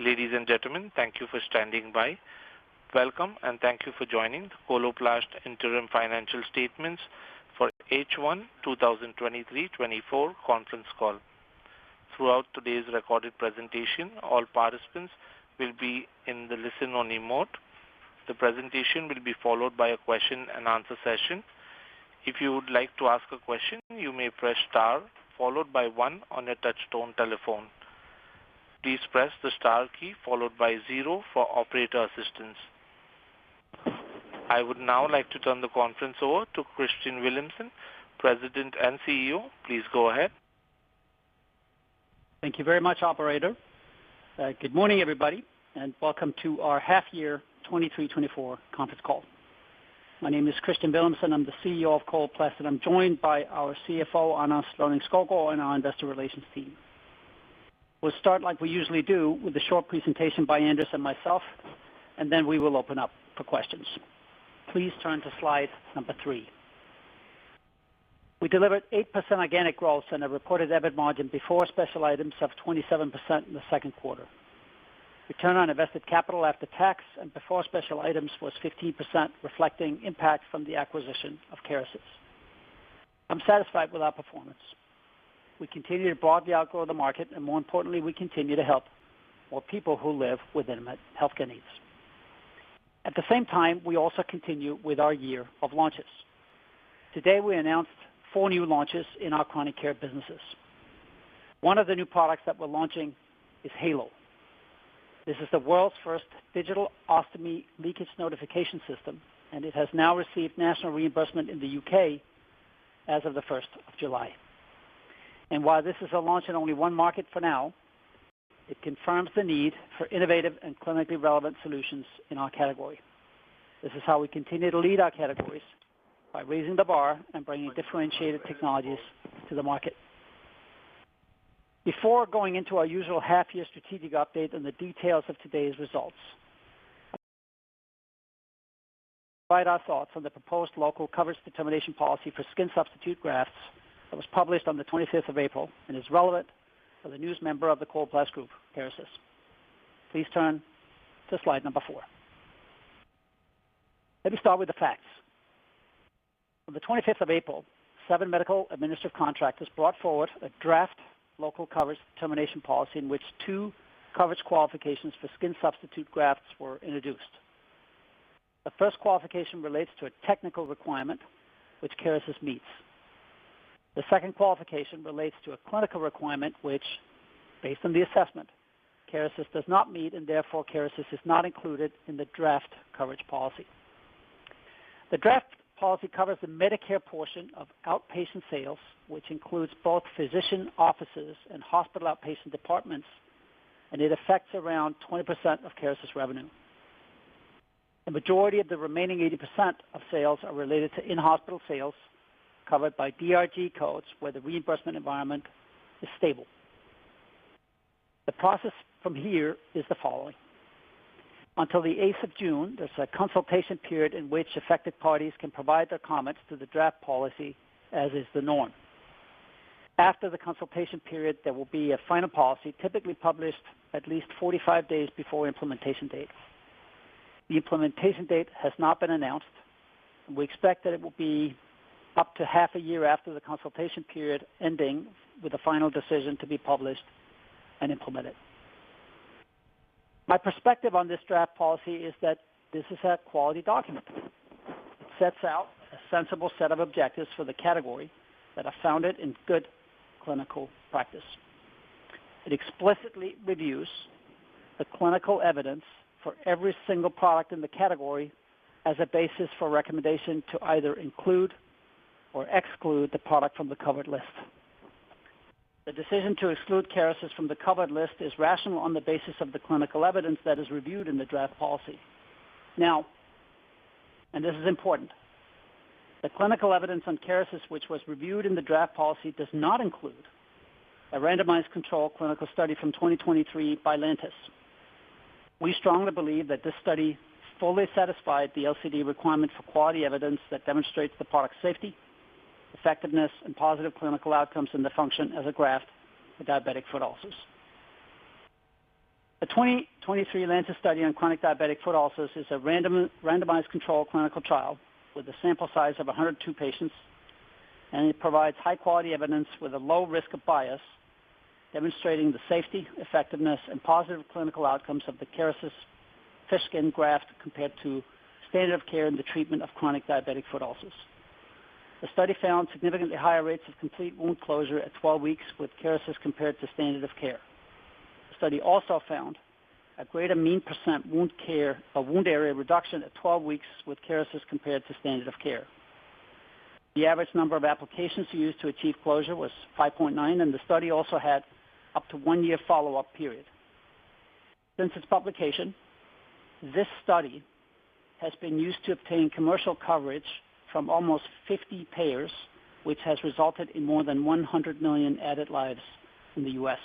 Ladies and gentlemen, thank you for standing by. Welcome, and thank you for joining the Coloplast Interim Financial Statements for H1 2023-2024 conference call. Throughout today's recorded presentation, all participants will be in the listen-only mode. The presentation will be followed by a question-and-answer session. If you would like to ask a question, you may press star followed by one on your touch-tone telephone. Please press the star key followed by zero for operator assistance. I would now like to turn the conference over to Kristian Villumsen, President and CEO. Please go ahead. Thank you very much, Operator. Good morning, everybody, and welcome to our half-year 2023-2024 conference call. My name is Kristian Villumsen. I'm the CEO of Coloplast, and I'm joined by our CFO, Anders Lonning-Skovgaard, and our Investor Relations team. We'll start like we usually do with a short presentation by Anders and myself, and then we will open up for questions. Please turn to slide number three. We delivered 8% organic growth and a reported EBIT margin before special items of 27% in the second quarter. Return on invested capital after tax and before special items was 15%, reflecting impact from the acquisition of Kerecis. I'm satisfied with our performance. We continue to broadly outgrow the market, and more importantly, we continue to help more people who live with intimate healthcare needs. At the same time, we also continue with our year of launches. Today, we announced four new launches in our chronic care businesses. One of the new products that we're launching is Heylo. This is the world's first digital ostomy leakage notification system, and it has now received national reimbursement in the U.K. as of the 1st of July. While this is a launch in only one market for now, it confirms the need for innovative and clinically relevant solutions in our category. This is how we continue to lead our categories: by raising the bar and bringing differentiated technologies to the market. Before going into our usual half-year strategic update and the details of today's results, provide our thoughts on the proposed Local Coverage Determination policy for skin substitute grafts that was published on the 25th of April and is relevant for the new member of the Coloplast Group, Kerecis. Please turn to slide number four. Let me start with the facts. On the 25th of April, seven Medicare Administrative Contractors brought forward a draft Local Coverage Determination policy in which two coverage qualifications for skin substitute grafts were introduced. The first qualification relates to a technical requirement, which Kerecis meets. The second qualification relates to a clinical requirement, which, based on the assessment, Kerecis does not meet, and therefore, Kerecis is not included in the draft coverage policy. The draft policy covers the Medicare portion of outpatient sales, which includes both physician offices and hospital outpatient departments, and it affects around 20% of Kerecis revenue. The majority of the remaining 80% of sales are related to in-hospital sales covered by DRG codes, where the reimbursement environment is stable. The process from here is the following. Until the 8th of June, there's a consultation period in which affected parties can provide their comments to the draft policy, as is the norm. After the consultation period, there will be a final policy typically published at least 45 days before implementation date. The implementation date has not been announced, and we expect that it will be up to half a year after the consultation period ending with a final decision to be published and implemented. My perspective on this draft policy is that this is a quality document. It sets out a sensible set of objectives for the category that are founded in good clinical practice. It explicitly reviews the clinical evidence for every single product in the category as a basis for recommendation to either include or exclude the product from the covered list. The decision to exclude Kerecis from the covered list is rational on the basis of the clinical evidence that is reviewed in the draft policy. Now, and this is important, the clinical evidence on Kerecis, which was reviewed in the draft policy, does not include a randomized control clinical study from 2023 by Lantis. We strongly believe that this study fully satisfied the LCD requirement for quality evidence that demonstrates the product's safety, effectiveness, and positive clinical outcomes in the function as a graft for diabetic foot ulcers. The 2023 Lantis study on chronic diabetic foot ulcers is a randomized control clinical trial with a sample size of 102 patients, and it provides high-quality evidence with a low risk of bias demonstrating the safety, effectiveness, and positive clinical outcomes of the Kerecis fish skin graft compared to standard of care in the treatment of chronic diabetic foot ulcers. The study found significantly higher rates of complete wound closure at 12 weeks with Kerecis compared to standard of care. The study also found a greater mean percent wound care or wound area reduction at 12 weeks with Kerecis compared to standard of care. The average number of applications used to achieve closure was 5.9, and the study also had up to one-year follow-up period. Since its publication, this study has been used to obtain commercial coverage from almost 50 payers, which has resulted in more than 100 million added lives in the U.S.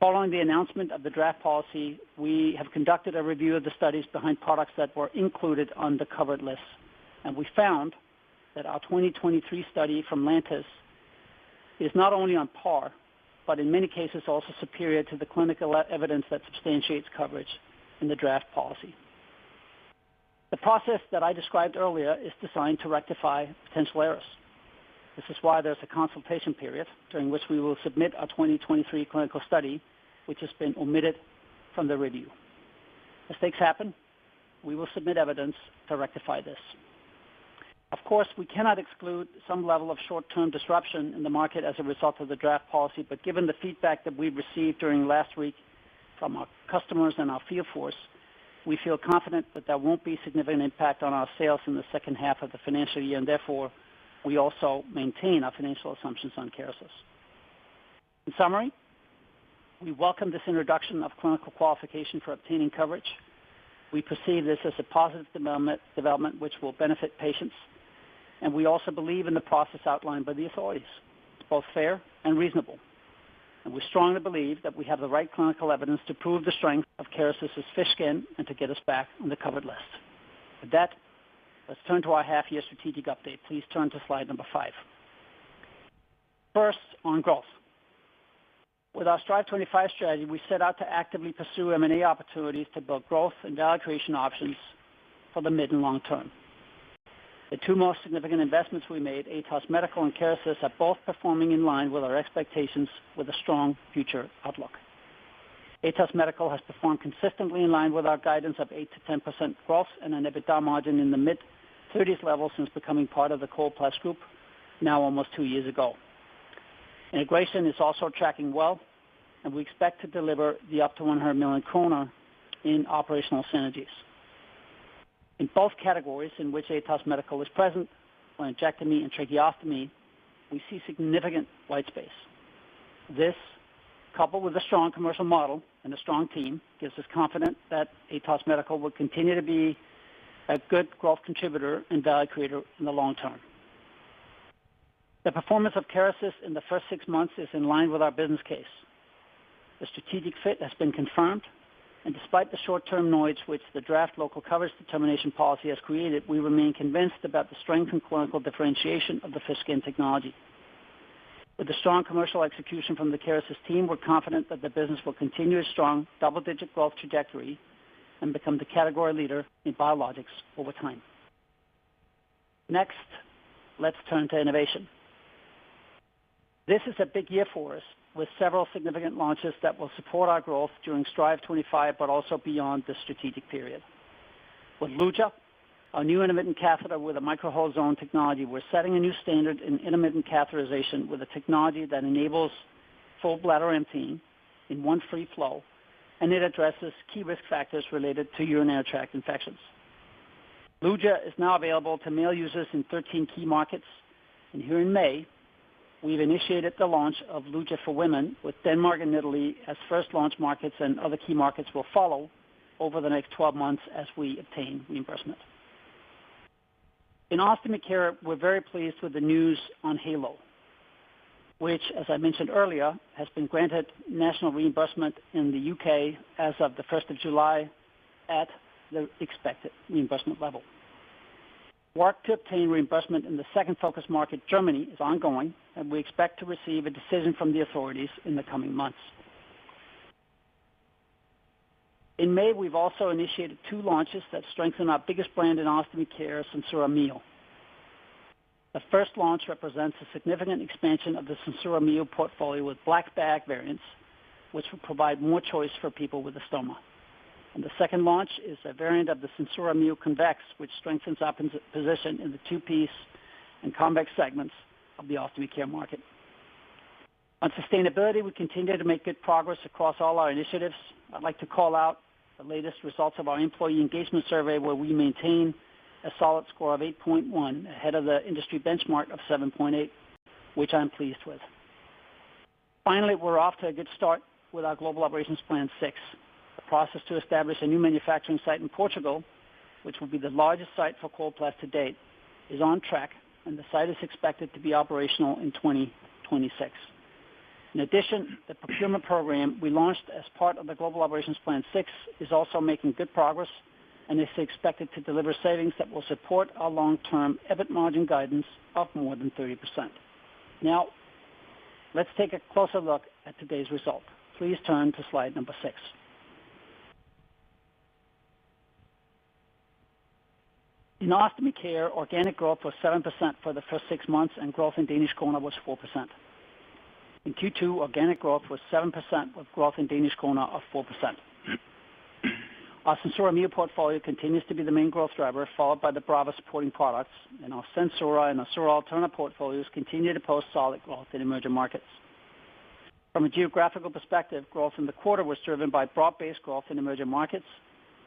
Following the announcement of the draft policy, we have conducted a review of the studies behind products that were included on the covered list, and we found that our 2023 study from Lantis is not only on par, but in many cases, also superior to the clinical evidence that substantiates coverage in the draft policy. The process that I described earlier is designed to rectify potential errors. This is why there's a consultation period during which we will submit our 2023 clinical study, which has been omitted from the review. Mistakes happen. We will submit evidence to rectify this. Of course, we cannot exclude some level of short-term disruption in the market as a result of the draft policy, but given the feedback that we've received during last week from our customers and our field force, we feel confident that there won't be significant impact on our sales in the second half of the financial year, and therefore, we also maintain our financial assumptions on Kerecis. In summary, we welcome this introduction of clinical qualification for obtaining coverage. We perceive this as a positive development, which will benefit patients, and we also believe in the process outlined by the authorities. It's both fair and reasonable, and we strongly believe that we have the right clinical evidence to prove the strength of Kerecis' fish skin and to get us back on the covered list. With that, let's turn to our half-year strategic update. Please turn to slide number five. First, on growth. With our Strive25 strategy, we set out to actively pursue M&A opportunities to build growth and valuation options for the mid and long term. The two most significant investments we made, Atos Medical and Kerecis, are both performing in line with our expectations with a strong future outlook. Atos Medical has performed consistently in line with our guidance of 8%-10% growth and an EBITDA margin in the mid-30s level since becoming part of the Coloplast Group, now almost two years ago. Integration is also tracking well, and we expect to deliver up to 100 million kroner in operational synergies. In both categories in which Atos Medical is present, laryngectomy and tracheostomy, we see significant white space. This, coupled with a strong commercial model and a strong team, gives us confidence that Atos Medical will continue to be a good growth contributor and value creator in the long term. The performance of Kerecis in the first six months is in line with our business case. The strategic fit has been confirmed, and despite the short-term noise which the draft Local Coverage Determination policy has created, we remain convinced about the strength and clinical differentiation of the fish skin technology. With the strong commercial execution from the Kerecis team, we're confident that the business will continue its strong double-digit growth trajectory and become the category leader in biologics over time. Next, let's turn to innovation. This is a big year for us with several significant launches that will support our growth during Strive25, but also beyond the strategic period. With Luja, our new intermittent catheter with Micro-hole Zone Technology, we're setting a new standard in intermittent catheterization with a technology that enables full bladder emptying in one free flow, and it addresses key risk factors related to urinary tract infections. Luja is now available to male users in 13 key markets, and here in May, we've initiated the launch of Luja for Women with Denmark and Italy as first launch markets, and other key markets will follow over the next 12 months as we obtain reimbursement. In ostomy care, we're very pleased with the news on Heylo, which, as I mentioned earlier, has been granted national reimbursement in the U.K. as of the 1st of July at the expected reimbursement level. Work to obtain reimbursement in the second focus market, Germany, is ongoing, and we expect to receive a decision from the authorities in the coming months. In May, we've also initiated two launches that strengthen our biggest brand in ostomy care, SenSura Mio. The first launch represents a significant expansion of the SenSura Mio portfolio with black bag variants, which will provide more choice for people with a stoma. The second launch is a variant of the SenSura Mio Convex, which strengthens our position in the two-piece and convex segments of the ostomy care market. On sustainability, we continue to make good progress across all our initiatives. I'd like to call out the latest results of our employee engagement survey, where we maintain a solid score of 8.1 ahead of the industry benchmark of 7.8, which I'm pleased with. Finally, we're off to a good start with our Global Operations Plan 6. The process to establish a new manufacturing site in Portugal, which will be the largest site for Coloplast to date, is on track, and the site is expected to be operational in 2026. In addition, the procurement program we launched as part of the Global Operations Plan 6 is also making good progress, and it's expected to deliver savings that will support our long-term EBIT margin guidance of more than 30%. Now, let's take a closer look at today's result. Please turn to slide number six. In ostomy care, organic growth was 7% for the first six months, and growth in Danish kroner was 4%. In Q2, organic growth was 7% with growth in Danish kroner of 4%. Our SenSura Mio portfolio continues to be the main growth driver, followed by the Brava supporting products, and our SenSura and Assura Alterna portfolios continue to post solid growth in emerging markets. From a geographical perspective, growth in the quarter was driven by broad-based growth in emerging markets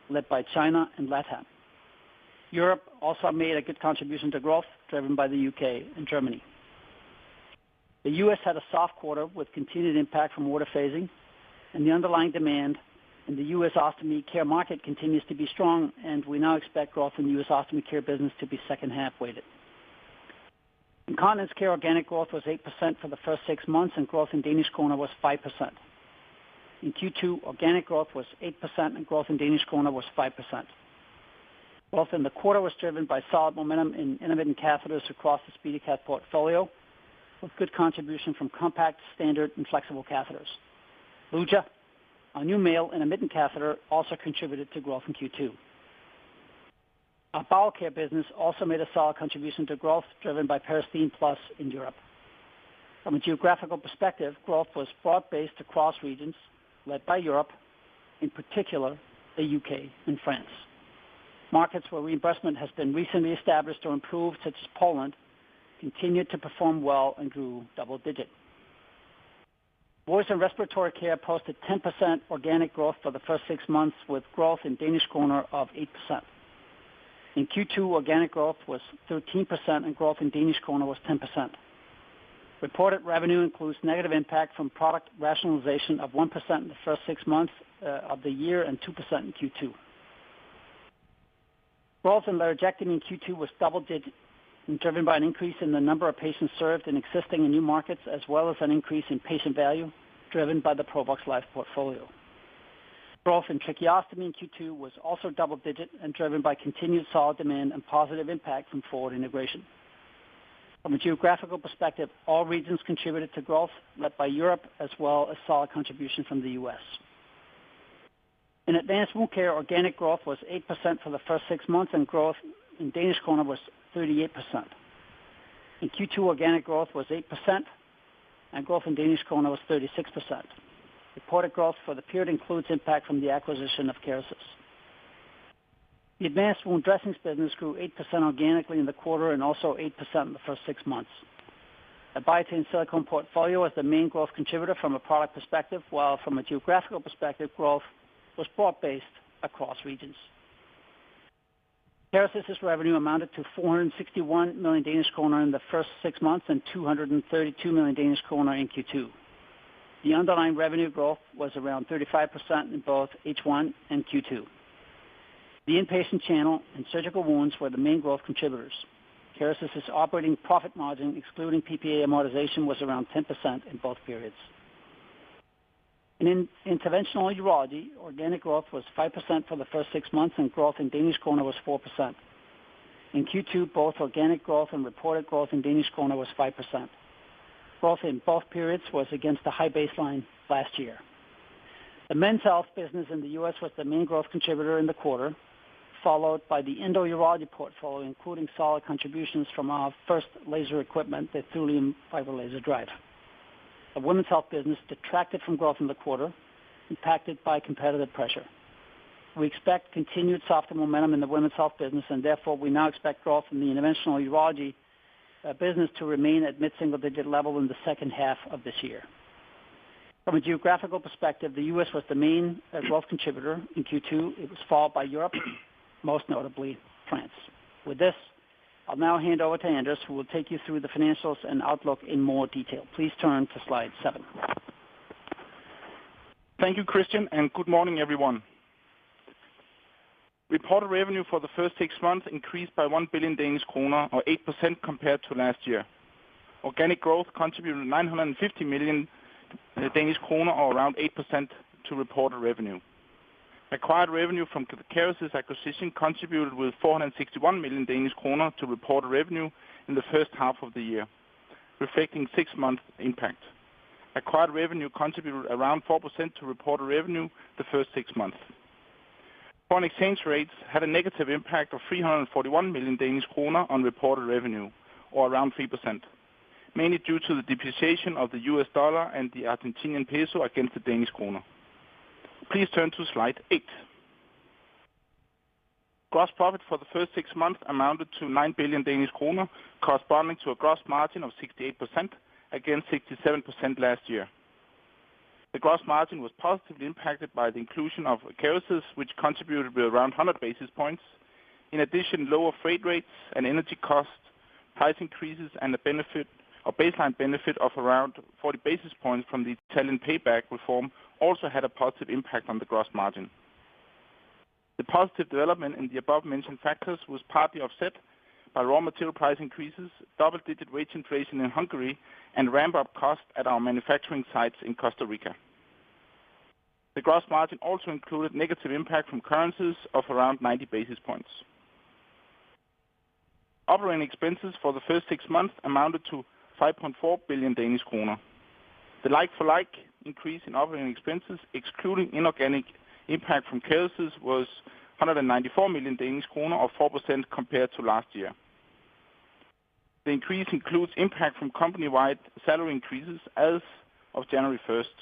led by China and LATAM. Europe also made a good contribution to growth driven by the U.K. and Germany. The U.S. had a soft quarter with continued impact from water phasing, and the underlying demand in the U.S. ostomy care market continues to be strong, and we now expect growth in the U.S. ostomy care business to be second-half weighted. In continence care, organic growth was 8% for the first six months, and growth in Danish kroner was 5%. In Q2, organic growth was 8%, and growth in Danish kroner was 5%. Growth in the quarter was driven by solid momentum in intermittent catheters across the SpeedyCath portfolio with good contribution from compact, standard, and flexible catheters. Luja, our new male intermittent catheter, also contributed to growth in Q2. Our bowel care business also made a solid contribution to growth driven by Peristeen Plus in Europe. From a geographical perspective, growth was broad-based across regions led by Europe, in particular, the U.K. and France. Markets where reimbursement has been recently established or improved, such as Poland, continued to perform well and grew double-digit. Voice and respiratory care posted 10% organic growth for the first six months with growth in Danish kroner of 8%. In Q2, organic growth was 13%, and growth in Danish kroner was 10%. Reported revenue includes negative impact from product rationalization of 1% in the first six months of the year and 2% in Q2. Growth in laryngectomy in Q2 was double-digit and driven by an increase in the number of patients served in existing and new markets, as well as an increase in patient value driven by the Provox Life portfolio. Growth in tracheostomy in Q2 was also double-digit and driven by continued solid demand and positive impact from forward integration. From a geographical perspective, all regions contributed to growth led by Europe, as well as solid contribution from the U.S. In advanced wound care, organic growth was 8% for the first six months, and growth in Danish kroner was 38%. In Q2, organic growth was 8%, and growth in Danish kroner was 36%. Reported growth for the period includes impact from the acquisition of Kerecis. The advanced wound dressings business grew 8% organically in the quarter and also 8% in the first six months. Biatain Silicone portfolio was the main growth contributor from a product perspective, while from a geographical perspective, growth was broad-based across regions. Kerecis' revenue amounted to 461 million Danish kroner in the first six months and 232 million Danish kroner in Q2. The underlying revenue growth was around 35% in both H1 and Q2. The inpatient channel and surgical wounds were the main growth contributors. Kerecis's operating profit margin, excluding PPA amortization, was around 10% in both periods. In interventional urology, organic growth was 5% for the first six months, and growth in Danish kroner was 4%. In Q2, both organic growth and reported growth in Danish kroner was 5%. Growth in both periods was against a high baseline last year. The men's health business in the U.S. was the main growth contributor in the quarter, followed by the endourology portfolio, including solid contributions from our first laser equipment, the Thulium Fiber Laser Drive. The women's health business detracted from growth in the quarter, impacted by competitive pressure. We expect continued soft momentum in the women's health business, and therefore, we now expect growth in the interventional urology business to remain at mid-single-digit level in the second half of this year. From a geographical perspective, the U.S. was the main growth contributor in Q2. It was followed by Europe, most notably France. With this, I'll now hand over to Anders, who will take you through the financials and outlook in more detail. Please turn to slide seven. Thank you, Kristian, and good morning, everyone. Reported revenue for the first six months increased by 1 billion Danish kroner, or 8% compared to last year. Organic growth contributed 950 million Danish kroner, or around 8% to reported revenue. Acquired revenue from the Kerecis acquisition contributed with 461 million Danish kroner to reported revenue in the first half of the year, reflecting six-month impact. Acquired revenue contributed around 4% to reported revenue the first six months. Foreign exchange rates had a negative impact of 341 million Danish kroner on reported revenue, or around 3%, mainly due to the depreciation of the US dollar and the Argentine peso against the Danish kroner. Please turn to slide eight. Gross profit for the first six months amounted to 9 billion Danish kroner, corresponding to a gross margin of 68% against 67% last year. The gross margin was positively impacted by the inclusion of Kerecis, which contributed with around 100 basis points. In addition, lower freight rates and energy cost price increases and the benefit or baseline benefit of around 40 basis points from the Italian payback reform also had a positive impact on the gross margin. The positive development in the above-mentioned factors was partly offset by raw material price increases, double-digit wage inflation in Hungary, and ramp-up costs at our manufacturing sites in Costa Rica. The gross margin also included negative impact from currencies of around 90 basis points. Operating expenses for the first six months amounted to 5.4 billion Danish kroner. The like-for-like increase in operating expenses, excluding inorganic impact from Kerecis, was 194 million Danish kroner, or 4% compared to last year. The increase includes impact from company-wide salary increases as of January 1st.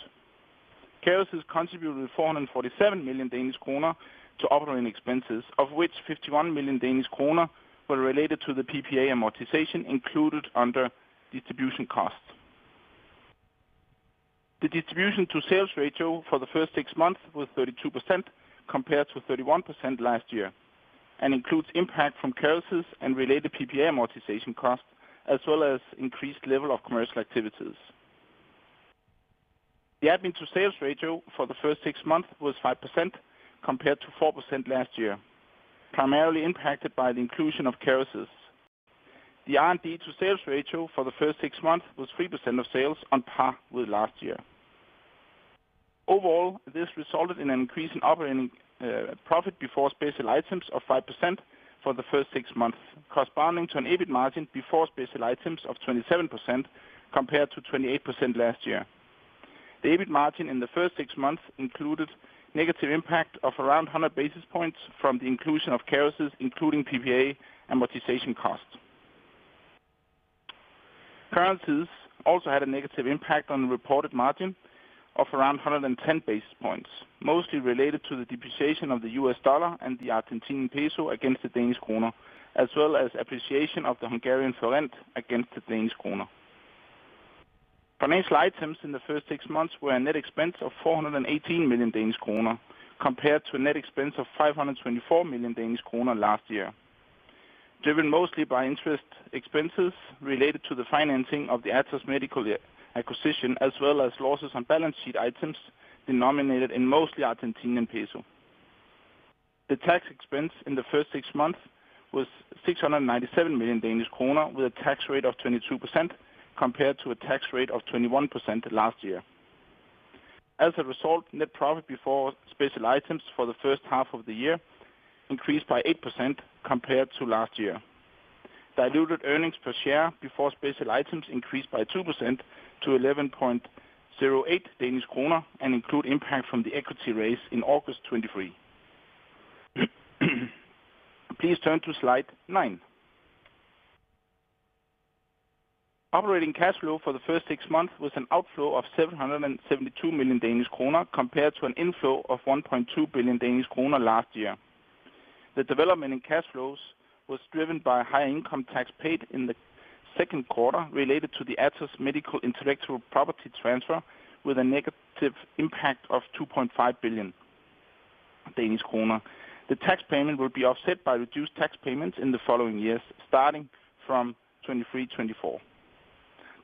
Kerecis contributed with 447 million Danish kroner to operating expenses, of which 51 million Danish kroner were related to the PPA amortization, included under distribution costs. The distribution-to-sales ratio for the first six months was 32% compared to 31% last year and includes impact from Kerecis and related PPA amortization costs, as well as increased level of commercial activities. The admin-to-sales ratio for the first six months was 5% compared to 4% last year, primarily impacted by the inclusion of Kerecis. The R&D-to-sales ratio for the first six months was 3% of sales on par with last year. Overall, this resulted in an increase in operating profit before special items of 5% for the first six months, corresponding to an EBIT margin before special items of 27% compared to 28% last year. The EBIT margin in the first six months included negative impact of around 100 basis points from the inclusion of Kerecis, including PPA amortization costs. Currencies also had a negative impact on the reported margin of around 110 basis points, mostly related to the depreciation of the US dollar and the Argentine peso against the Danish kroner, as well as appreciation of the Hungarian forint against the Danish kroner. Financial items in the first six months were a net expense of 418 million Danish kroner compared to a net expense of 524 million Danish kroner last year, driven mostly by interest expenses related to the financing of the Atos Medical acquisition, as well as losses on balance sheet items denominated in mostly Argentine peso. The tax expense in the first six months was 697 million Danish kroner, with a tax rate of 22% compared to a tax rate of 21% last year. As a result, net profit before special items for the first half of the year increased by 8% compared to last year. Diluted earnings per share before special items increased by 2% to 11.08 Danish kroner and include impact from the equity raise in August 2023. Please turn to slide nine. Operating cash flow for the first six months was an outflow of 772 million Danish kroner compared to an inflow of 1.2 billion Danish kroner last year. The development in cash flows was driven by high income tax paid in the second quarter related to the Atos Medical intellectual property transfer, with a negative impact of 2.5 billion Danish kroner. The tax payment will be offset by reduced tax payments in the following years, starting from 2023-2024.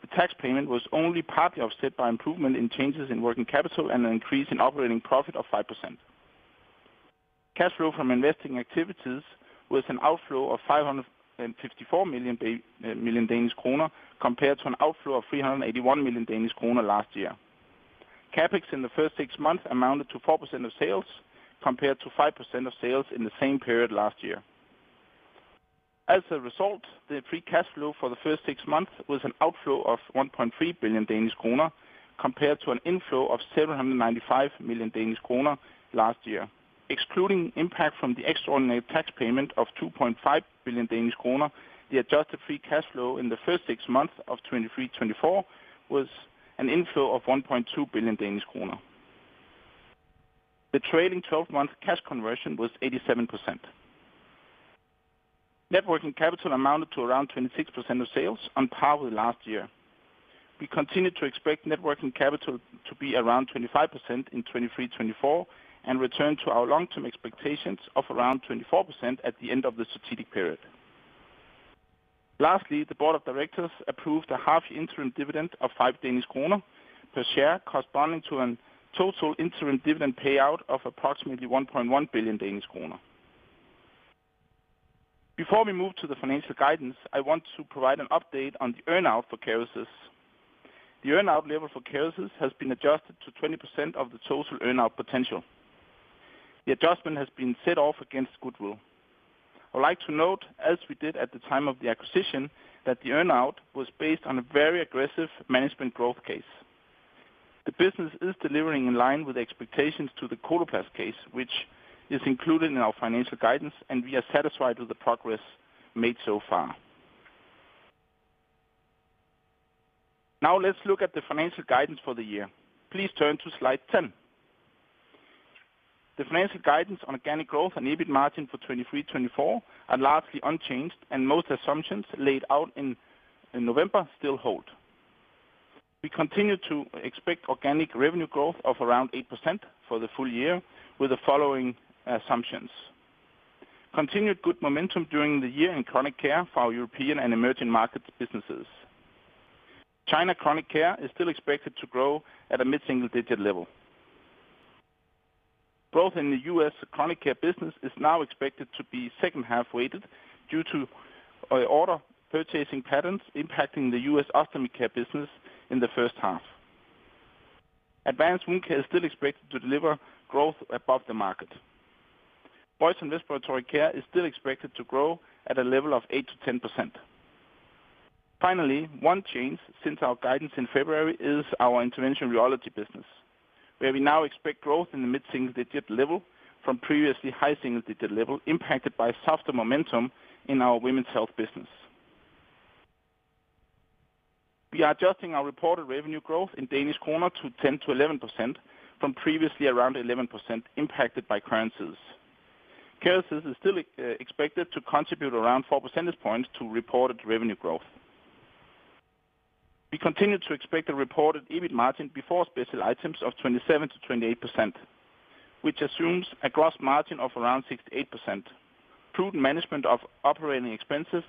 The tax payment was only partly offset by improvement in changes in working capital and an increase in operating profit of 5%. Cash flow from investing activities was an outflow of 554 million compared to an outflow of 381 million Danish kroner last year. CapEx in the first six months amounted to 4% of sales compared to 5% of sales in the same period last year. As a result, the free cash flow for the first six months was an outflow of 1.3 billion Danish kroner compared to an inflow of 795 million Danish kroner last year. Excluding impact from the extraordinary tax payment of 2.5 billion Danish kroner, the adjusted free cash flow in the first six months of 2023-2024 was an inflow of 1.2 billion Danish kroner. The trailing 12-month cash conversion was 87%. Net working capital amounted to around 26% of sales, on par with last year. We continue to expect net working capital to be around 25% in 2023-2024 and return to our long-term expectations of around 24% at the end of the strategic period. Lastly, the board of directors approved a half-year interim dividend of 5 Danish kroner per share, corresponding to a total interim dividend payout of approximately 1.1 billion Danish kroner. Before we move to the financial guidance, I want to provide an update on the earnout for Kerecis. The earnout level for Kerecis has been adjusted to 20% of the total earnout potential. The adjustment has been set off against goodwill. I would like to note, as we did at the time of the acquisition, that the earnout was based on a very aggressive management growth case. The business is delivering in line with expectations to the Coloplast case, which is included in our financial guidance, and we are satisfied with the progress made so far. Now, let's look at the financial guidance for the year. Please turn to slide 10. The financial guidance on organic growth and EBIT margin for 2023-2024 are largely unchanged, and most assumptions laid out in November still hold. We continue to expect organic revenue growth of around 8% for the full year, with the following assumptions, continued good momentum during the year in chronic care for our European and emerging markets businesses. China chronic care is still expected to grow at a mid-single-digit level. Growth in the U.S. chronic care business is now expected to be second-half weighted due to order purchasing patterns impacting the U.S. ostomy care business in the first half. Advanced wound care is still expected to deliver growth above the market. Voice and respiratory care is still expected to grow at a level of 8%-10%. Finally, one change since our guidance in February is our interventional urology business, where we now expect growth in the mid-single-digit level from previously high single-digit level, impacted by softer momentum in our women's health business. We are adjusting our reported revenue growth in Danish kroner to 10%-11% from previously around 11%, impacted by currencies. Kerecis is still expected to contribute around 4 percentage points to reported revenue growth. We continue to expect a reported EBIT margin before special items of 27%-28%, which assumes a gross margin of around 68%, prudent management of operating expenses,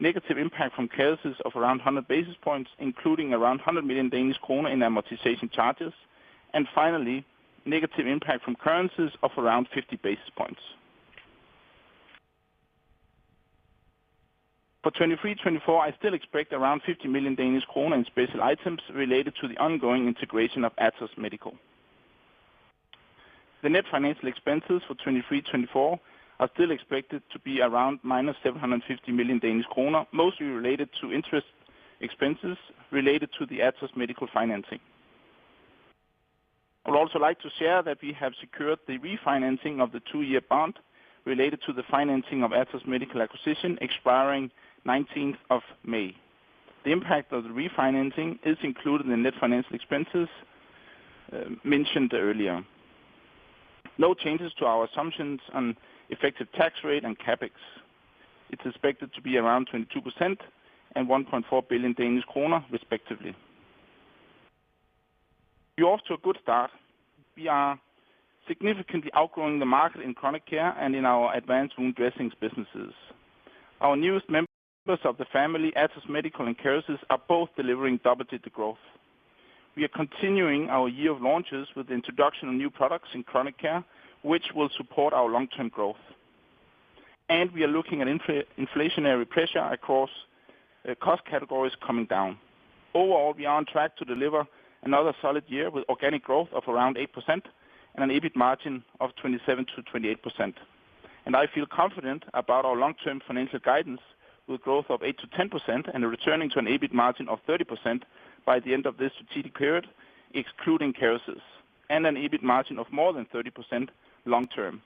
negative impact from Kerecis of around 100 basis points, including around 100 million Danish kroner in amortization charges, and finally, negative impact from currencies of around 50 basis points. For 2023-2024, I still expect around 50 million Danish kroner in special items related to the ongoing integration of Atos Medical. The net financial expenses for 2023-2024 are still expected to be around -750 million Danish kroner, mostly related to interest expenses related to the Atos Medical financing. I would also like to share that we have secured the refinancing of the two-year bond related to the financing of Atos Medical acquisition, expiring 19th of May. The impact of the refinancing is included in net financial expenses mentioned earlier. No changes to our assumptions on effective tax rate and CapEx. It's expected to be around 22% and 1.4 billion Danish kroner, respectively. We are off to a good start. We are significantly outgrowing the market in chronic care and in our advanced wound dressings businesses. Our newest members of the family, Atos Medical and Kerecis, are both delivering double-digit growth. We are continuing our year of launches with the introduction of new products in chronic care, which will support our long-term growth. We are looking at inflationary pressure across cost categories coming down. Overall, we are on track to deliver another solid year with organic growth of around 8% and an EBIT margin of 27%-28%. I feel confident about our long-term financial guidance with growth of 8%-10% and a returning to an EBIT margin of 30% by the end of this strategic period, excluding Kerecis, and an EBIT margin of more than 30% long-term.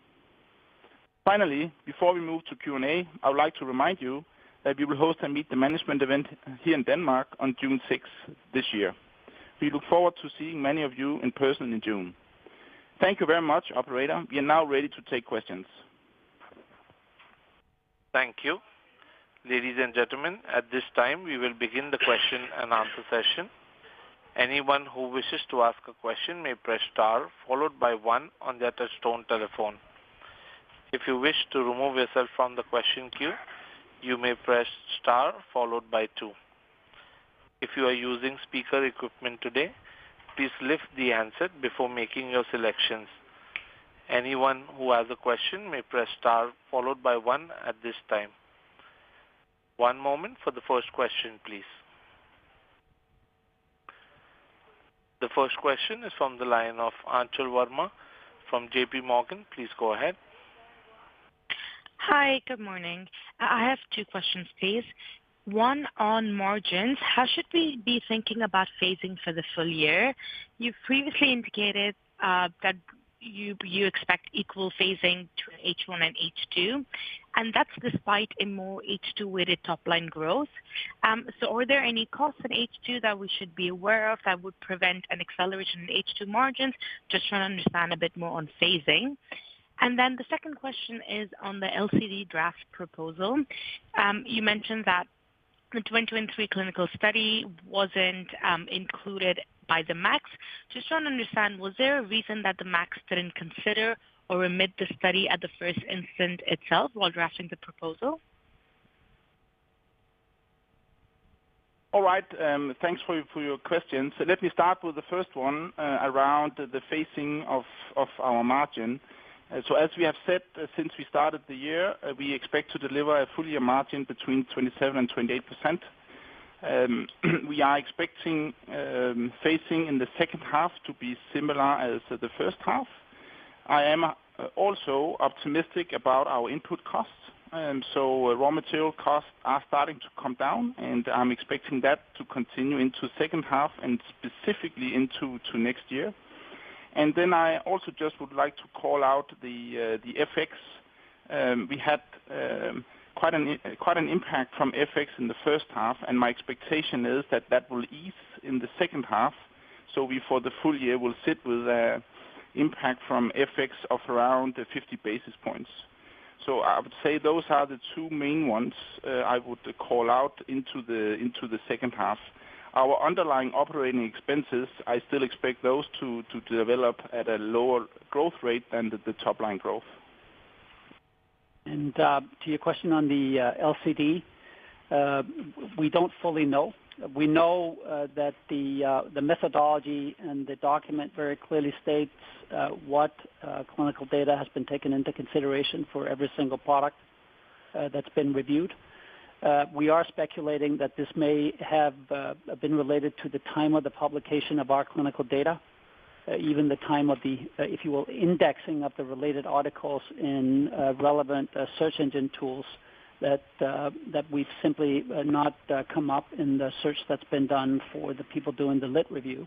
Finally, before we move to Q&A, I would like to remind you that we will host and meet the management event here in Denmark on June 6th this year. We look forward to seeing many of you in person in June. Thank you very much. Operator, we are now ready to take questions. Thank you. Ladies and gentlemen, at this time, we will begin the question and answer session. Anyone who wishes to ask a question may press star, followed by one on the touch-tone telephone. If you wish to remove yourself from the question queue, you may press star, followed by two. If you are using speaker equipment today, please lift the handset before making your selections. Anyone who has a question may press star, followed by one at this time. One moment for the first question, please. The first question is from the line of Anshul Verma from JPMorgan. Please go ahead. Hi. Good morning. I have two questions, please. One on margins. How should we be thinking about phasing for the full year? You previously indicated that you expect equal phasing to H1 and H2, and that's despite a more H2-weighted top-line growth. So are there any costs in H2 that we should be aware of that would prevent an acceleration in H2 margins? Just want to understand a bit more on phasing. And then the second question is on the LCD draft proposal. You mentioned that the 2023 clinical study wasn't included by the MACs. Just want to understand, was there a reason that the MACs didn't consider or omit the study at the first instance itself while drafting the proposal? All right. Thanks for your questions. Let me start with the first one around the phasing of our margin. So as we have said since we started the year, we expect to deliver a full-year margin between 27% and 28%. We are expecting phasing in the second half to be similar as the first half. I am also optimistic about our input costs. So raw material costs are starting to come down, and I'm expecting that to continue into second half and specifically into next year. And then I also just would like to call out the FX. We had quite an impact from FX in the first half, and my expectation is that that will ease in the second half. So we, for the full year, will sit with an impact from FX of around 50 basis points. So I would say those are the two main ones I would call out into the second half. Our underlying operating expenses, I still expect those to develop at a lower growth rate than the top-line growth. And to your question on the LCD, we don't fully know. We know that the methodology and the document very clearly states what clinical data has been taken into consideration for every single product that's been reviewed. We are speculating that this may have been related to the time of the publication of our clinical data, even the time of the, if you will, indexing of the related articles in relevant search engine tools that we've simply not come up in the search that's been done for the people doing the lit review.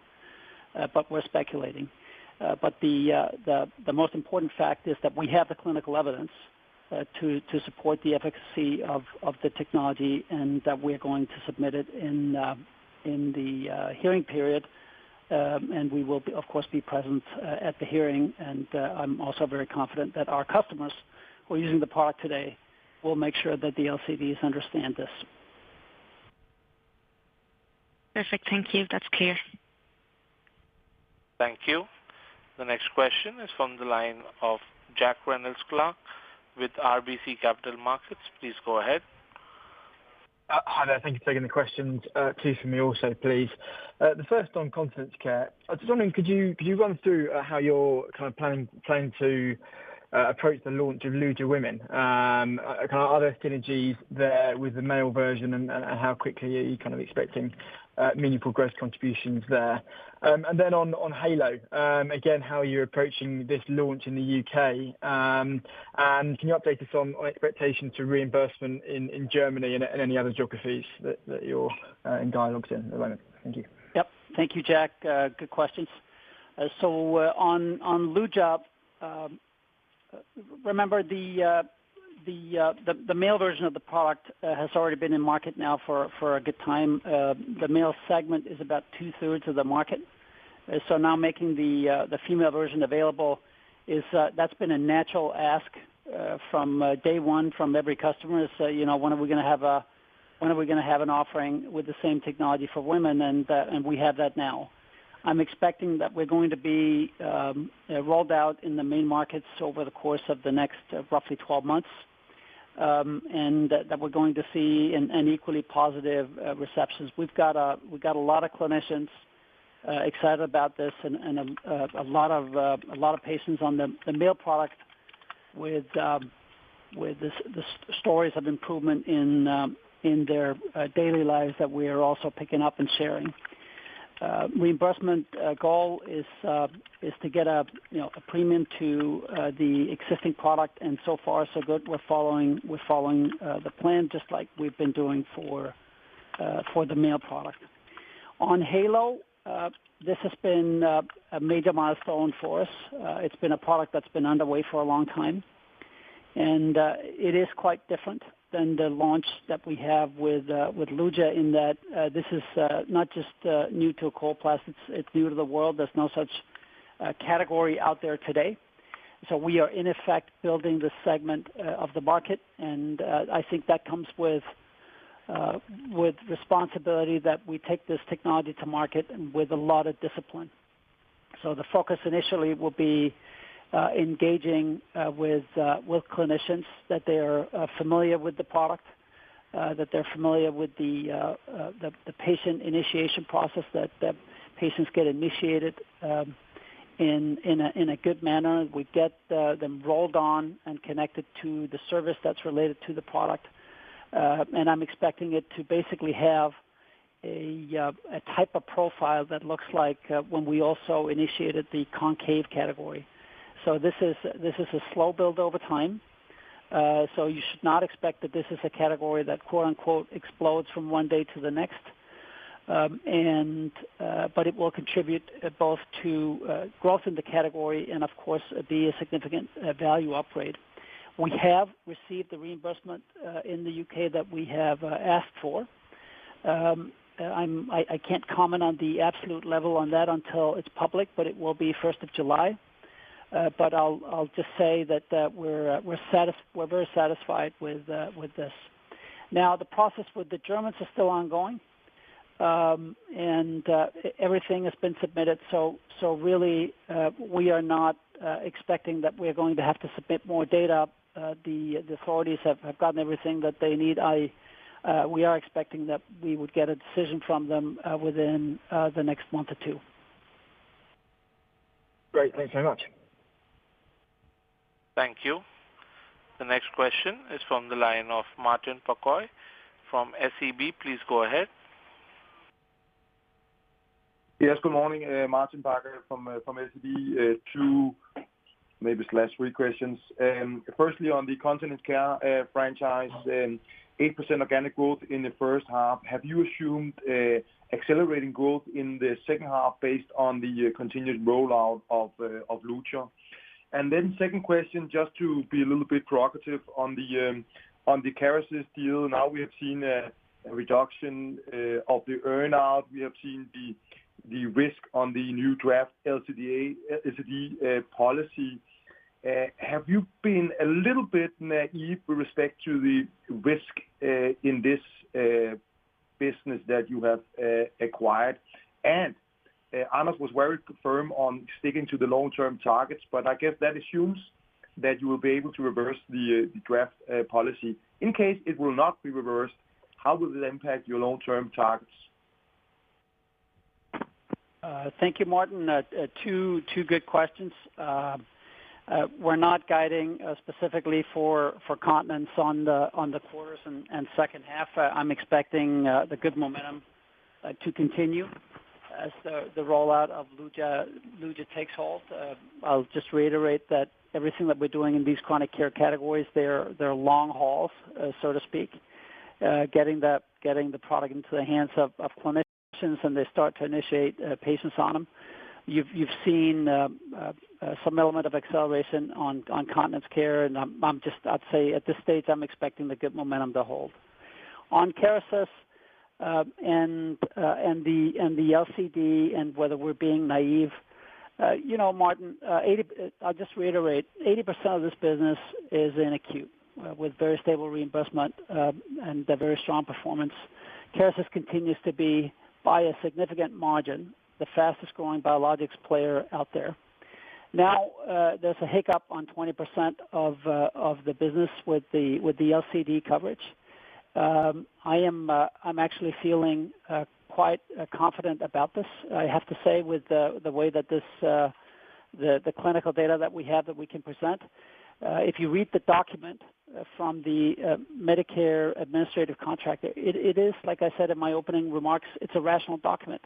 But we're speculating. But the most important fact is that we have the clinical evidence to support the efficacy of the technology and that we are going to submit it in the hearing period. And we will, of course, be present at the hearing. And I'm also very confident that our customers who are using the product today will make sure that the LCDs understand this. Perfect. Thank you. That's clear. Thank you. The next question is from the line of Jack Reynolds-Clark with RBC Capital Markets. Please go ahead. Hi. Thank you for taking the questions, two from me also, please. The first on continence care. I was just wondering, could you run through how you're kind of planning to approach the launch of Luja for Women? Are there synergies there with the male version and how quickly are you kind of expecting meaningful growth contributions there? And then on Heylo, again, how are you approaching this launch in the U.K.? And can you update us on expectations for reimbursement in Germany and any other geographies that you're in dialogue with at the moment? Thank you. Yep. Thank you, Jack. Good questions. So on Luja, remember, the male version of the product has already been in market now for a good time. The male segment is about two-thirds of the market. So now making the female version available, that's been a natural ask from day one from every customer is, "When are we going to have an offering with the same technology for women?" And we have that now. I'm expecting that we're going to be rolled out in the main markets over the course of the next roughly 12 months and that we're going to see an equally positive reception. We've got a lot of clinicians excited about this and a lot of patients on the male product with the stories of improvement in their daily lives that we are also picking up and sharing. Reimbursement goal is to get a premium to the existing product. So far, so good. We're following the plan just like we've been doing for the male product. On Heylo, this has been a major milestone for us. It's been a product that's been underway for a long time. And it is quite different than the launch that we have with Luja in that this is not just new to Coloplast. It's new to the world. There's no such category out there today. So we are, in effect, building the segment of the market. And I think that comes with responsibility that we take this technology to market with a lot of discipline. So the focus initially will be engaging with clinicians that they are familiar with the product, that they're familiar with the patient initiation process, that patients get initiated in a good manner, we get them rolled on and connected to the service that's related to the product. And I'm expecting it to basically have a type of profile that looks like when we also initiated the convex category. So this is a slow build over time. So you should not expect that this is a category that "explodes" from one day to the next. But it will contribute both to growth in the category and, of course, be a significant value upgrade. We have received the reimbursement in the U.K. that we have asked for. I can't comment on the absolute level on that until it's public, but it will be 1st of July. But I'll just say that we're very satisfied with this. Now, the process with the Germans is still ongoing, and everything has been submitted. So really, we are not expecting that we're going to have to submit more data. The authorities have gotten everything that they need. We are expecting that we would get a decision from them within the next month or two. Great. Thanks very much. Thank you. The next question is from the line of Martin Parkhøi from SEB. Please go ahead. Yes. Good morning, Martin Parkhøi from SEB. Two, maybe slash three questions. Firstly, on the continence care franchise, 8% organic growth in the first half. Have you assumed accelerating growth in the second half based on the continued rollout of Luja? And then second question, just to be a little bit proactive on the Kerecis deal. Now, we have seen a reduction of the earnout. We have seen the risk on the new draft LCD policy. Have you been a little bit naive with respect to the risk in this business that you have acquired? And Anders was very firm on sticking to the long-term targets, but I guess that assumes that you will be able to reverse the draft policy. In case it will not be reversed, how will it impact your long-term targets? Thank you, Martin. Two good questions. We're not guiding specifically for continence on the quarters and second half. I'm expecting the good momentum to continue as the rollout of Luja takes hold. I'll just reiterate that everything that we're doing in these chronic care categories, they're long hauls, so to speak. Getting the product into the hands of clinicians and they start to initiate patients on them, you've seen some element of acceleration on continence care. I'd say at this stage, I'm expecting the good momentum to hold. On Kerecis and the LCD and whether we're being naive, Martin, I'll just reiterate, 80% of this business is in acute with very stable reimbursement and very strong performance. Kerecis continues to be by a significant margin the fastest-growing biologics player out there. Now, there's a hiccup on 20% of the business with the LCD coverage. I am actually feeling quite confident about this, I have to say, with the way that the clinical data that we have that we can present. If you read the document from the Medicare Administrative Contractors, it is, like I said in my opening remarks, it's a rational document.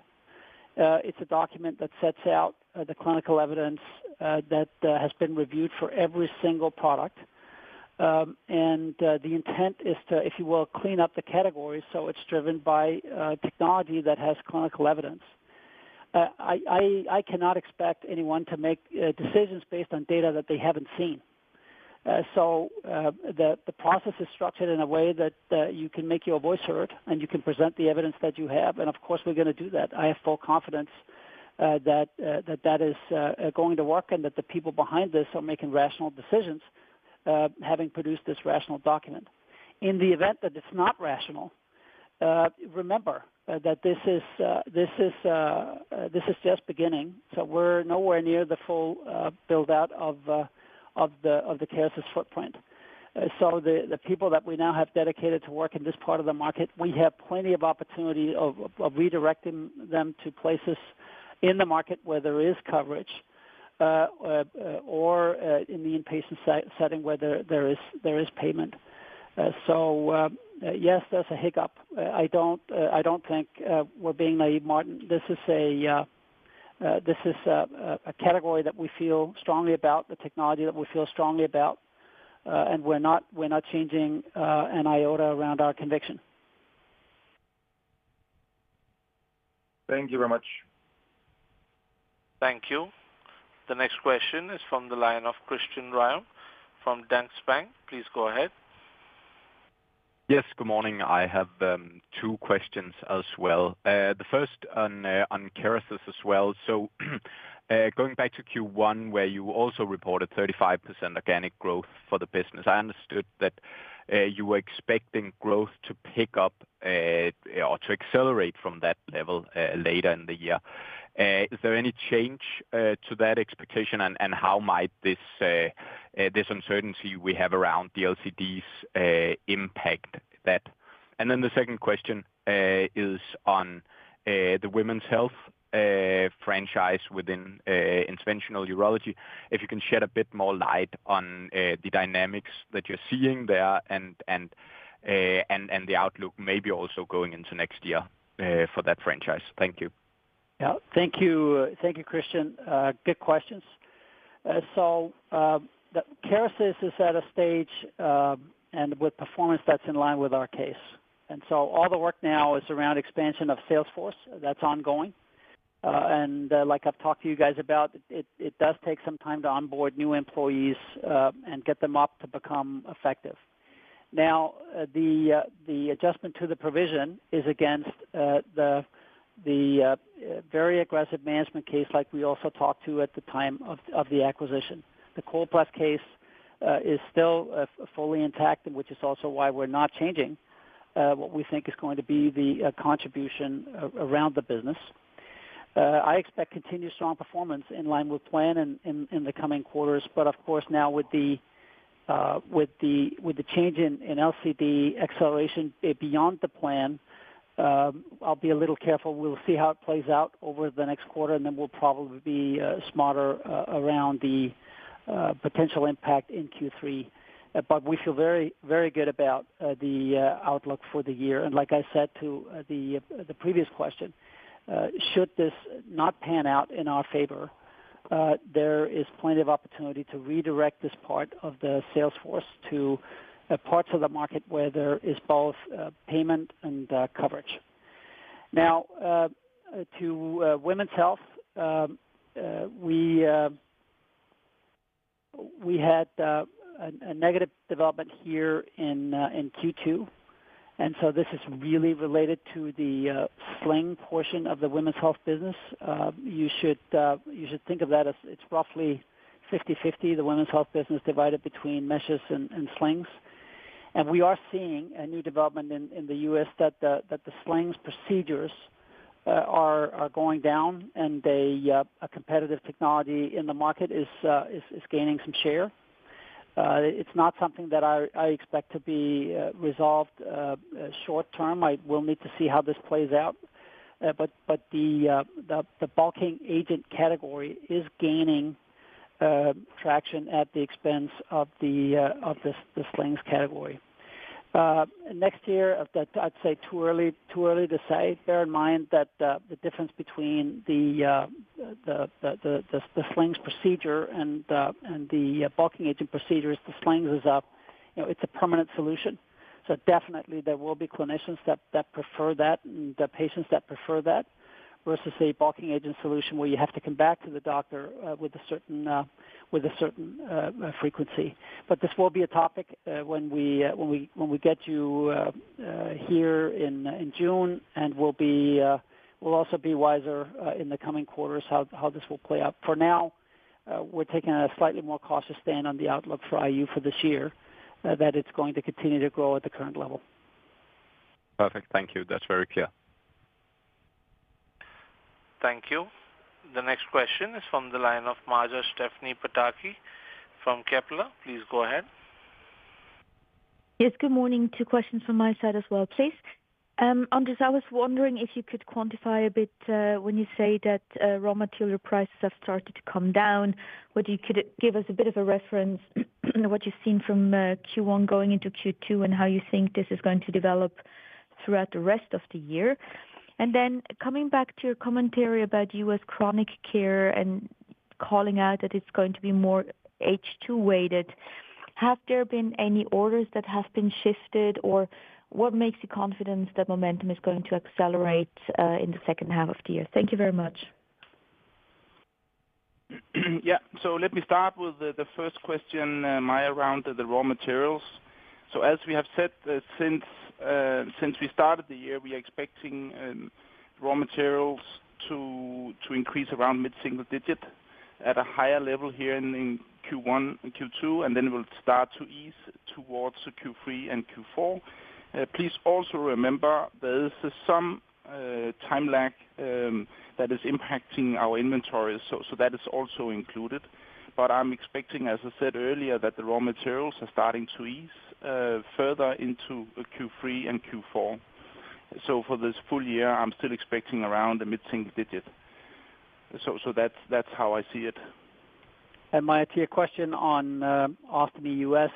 It's a document that sets out the clinical evidence that has been reviewed for every single product. And the intent is to, if you will, clean up the categories. So it's driven by technology that has clinical evidence. I cannot expect anyone to make decisions based on data that they haven't seen. So the process is structured in a way that you can make your voice heard, and you can present the evidence that you have. And of course, we're going to do that. I have full confidence that that is going to work and that the people behind this are making rational decisions having produced this rational document. In the event that it's not rational, remember that this is just beginning. So we're nowhere near the full build-out of the Kerecis footprint. So the people that we now have dedicated to work in this part of the market, we have plenty of opportunity of redirecting them to places in the market where there is coverage or in the inpatient setting where there is payment. So yes, there's a hiccup. I don't think we're being naive, Martin. This is a category that we feel strongly about, the technology that we feel strongly about. And we're not changing an iota around our conviction. Thank you very much. Thank you. The next question is from the line of Christian Ryom from Danske Bank. Please go ahead. Yes. Good morning. I have two questions as well. The first on Kerecis as well. So going back to Q1 where you also reported 35% organic growth for the business, I understood that you were expecting growth to pick up or to accelerate from that level later in the year. Is there any change to that expectation, and how might this uncertainty we have around the LCDs impact that? And then the second question is on the women's health franchise within interventional urology. If you can shed a bit more light on the dynamics that you're seeing there and the outlook maybe also going into next year for that franchise. Thank you. Yeah. Thank you, Christian. Good questions. So Kerecis is at a stage and with performance that's in line with our case. And so all the work now is around expansion of sales force. That's ongoing. And like I've talked to you guys about, it does take some time to onboard new employees and get them up to become effective. Now, the adjustment to the provision is against the very aggressive management case like we also talked to at the time of the acquisition. The Coloplast case is still fully intact, which is also why we're not changing what we think is going to be the contribution around the business. I expect continued strong performance in line with plan in the coming quarters. But of course, now with the change in LCD acceleration beyond the plan, I'll be a little careful. We'll see how it plays out over the next quarter, and then we'll probably be smarter around the potential impact in Q3. But we feel very good about the outlook for the year. And like I said to the previous question, should this not pan out in our favor, there is plenty of opportunity to redirect this part of the sales force to parts of the market where there is both payment and coverage. Now, to women's health, we had a negative development here in Q2. So this is really related to the sling portion of the women's health business. You should think of that as it's roughly 50/50, the women's health business divided between meshes and slings. We are seeing a new development in the U.S. that the slings procedures are going down, and a competitive technology in the market is gaining some share. It's not something that I expect to be resolved short-term. I will need to see how this plays out. But the bulking agent category is gaining traction at the expense of the slings category. Next year, I'd say too early to say. Bear in mind that the difference between the slings procedure and the bulking agent procedure is the slings is up. It's a permanent solution. So definitely, there will be clinicians that prefer that and patients that prefer that versus a bulking agent solution where you have to come back to the doctor with a certain frequency. But this will be a topic when we get you here in June, and we'll also be wiser in the coming quarters how this will play out. For now, we're taking a slightly more cautious stand on the outlook for IU for this year, that it's going to continue to grow at the current level. Perfect. Thank you. That's very clear. Thank you. The next question is from the line of Maja Pataki from Kepler. Please go ahead. Yes. Good morning. Two questions from my side as well, please. Anders, I was wondering if you could quantify a bit when you say that raw material prices have started to come down, whether you could give us a bit of a reference to what you've seen from Q1 going into Q2 and how you think this is going to develop throughout the rest of the year? And then coming back to your commentary about U.S. chronic care and calling out that it's going to be more H2-weighted, have there been any orders that have been shifted, or what makes you confident that momentum is going to accelerate in the second half of the year? Thank you very much. Yeah. So let me start with the first question, Maja, around the raw materials. So as we have said, since we started the year, we are expecting raw materials to increase around mid-single digit at a higher level here in Q1 and Q2, and then it will start to ease towards Q3 and Q4. Please also remember there is some time lag that is impacting our inventory, so that is also included. But I'm expecting, as I said earlier, that the raw materials are starting to ease further into Q3 and Q4. So for this full year, I'm still expecting around the mid-single digit. So that's how I see it. And Maja, to your question on ostomy U.S.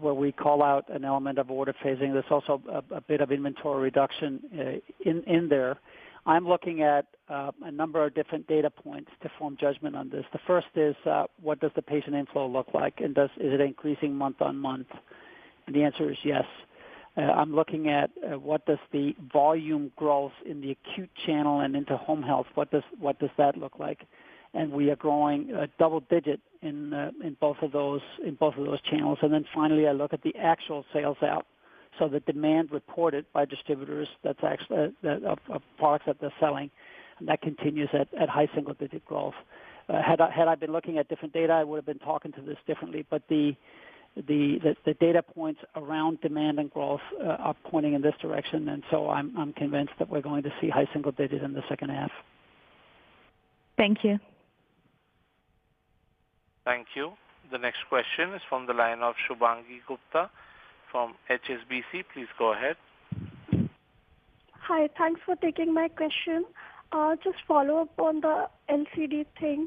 where we call out an element of order phasing, there's also a bit of inventory reduction in there. I'm looking at a number of different data points to form judgment on this. The first is, what does the patient inflow look like, and is it increasing month-on-month? The answer is yes. I'm looking at what does the volume growth in the acute channel and into home health, what does that look like? We are growing double-digit in both of those channels. Then finally, I look at the actual sales out. So the demand reported by distributors of products that they're selling, that continues at high single-digit growth. Had I been looking at different data, I would have been talking to this differently. But the data points around demand and growth are pointing in this direction. So I'm convinced that we're going to see high single-digit in the second half. Thank you. Thank you. The next question is from the line of Shubhangi Gupta from HSBC. Please go ahead. Hi. Thanks for taking my question. I'll just follow up on the LCD thing.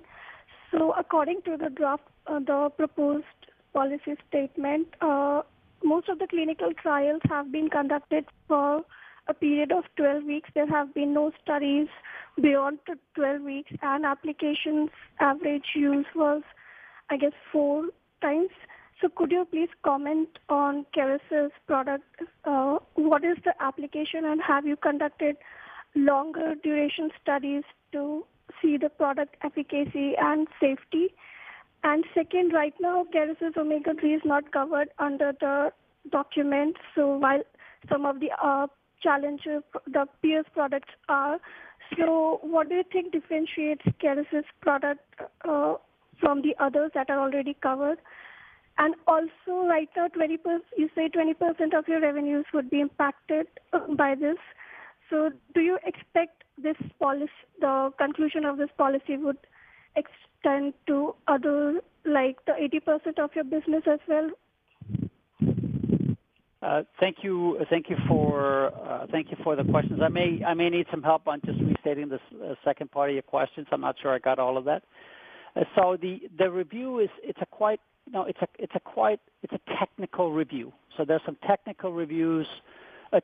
So according to the proposed policy statement, most of the clinical trials have been conducted for a period of 12 weeks. There have been no studies beyond 12 weeks, and applications average use was, I guess, four times. So could you please comment on Kerecis product? What is the application, and have you conducted longer-duration studies to see the product efficacy and safety? And second, right now, Kerecis Omega3 is not covered under the document, so while some of the challenges the peers' products are. So what do you think differentiates Kerecis product from the others that are already covered? And also right now, you say 20% of your revenues would be impacted by this. So do you expect the conclusion of this policy would extend to others, like the 80% of your business as well? Thank you for the questions. I may need some help on just restating the second part of your questions. I'm not sure I got all of that. So the review, it's a quite, it's a technical review. So there's some technical reviews,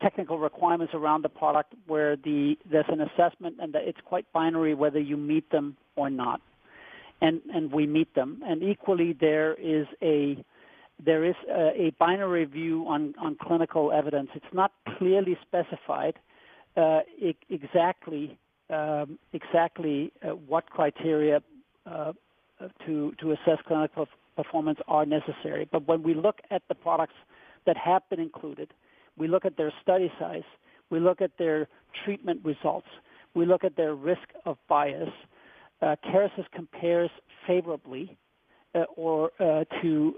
technical requirements around the product where there's an assessment, and it's quite binary whether you meet them or not. And we meet them. And equally, there is a binary view on clinical evidence. It's not clearly specified exactly what criteria to assess clinical performance are necessary. But when we look at the products that have been included, we look at their study size, we look at their treatment results, we look at their risk of bias, Kerecis compares favorably to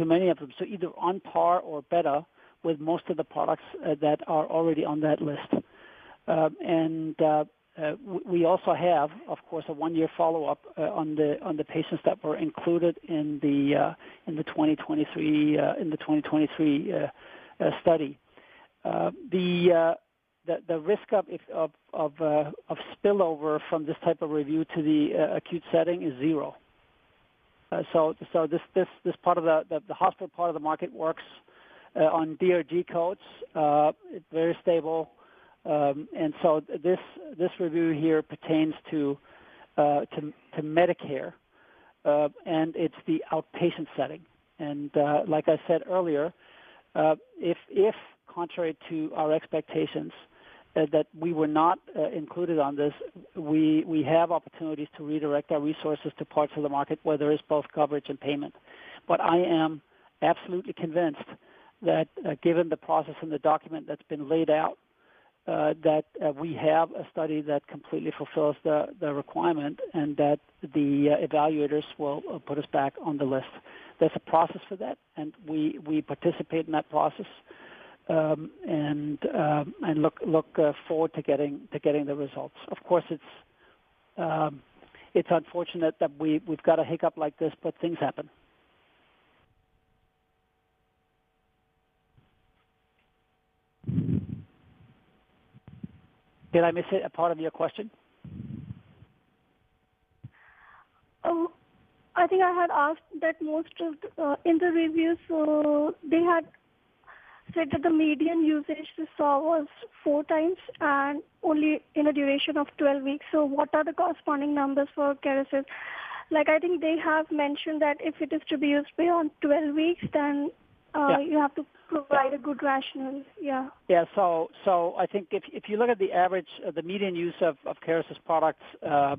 many of them, so either on par or better with most of the products that are already on that list. And we also have, of course, a one-year follow-up on the patients that were included in the 2023 study. The risk of spillover from this type of review to the acute setting is zero. So the hospital part of the market works on DRG codes. It's very stable. And so this review here pertains to Medicare, and it's the outpatient setting. And like I said earlier, if contrary to our expectations that we were not included on this, we have opportunities to redirect our resources to parts of the market where there is both coverage and payment. But I am absolutely convinced that given the process and the document that's been laid out, that we have a study that completely fulfills the requirement and that the evaluators will put us back on the list. There's a process for that, and we participate in that process and look forward to getting the results. Of course, it's unfortunate that we've got a hiccup like this, but things happen. Did I miss a part of your question? I think I had asked that most of the interviews. So they had said that the median usage we saw was four times and only in a duration of 12 weeks. So what are the corresponding numbers for Kerecis? I think they have mentioned that if it is to be used beyond 12 weeks, then you have to provide a good rationale. Yeah. Yeah. So I think if you look at the average, the median use of Kerecis products, I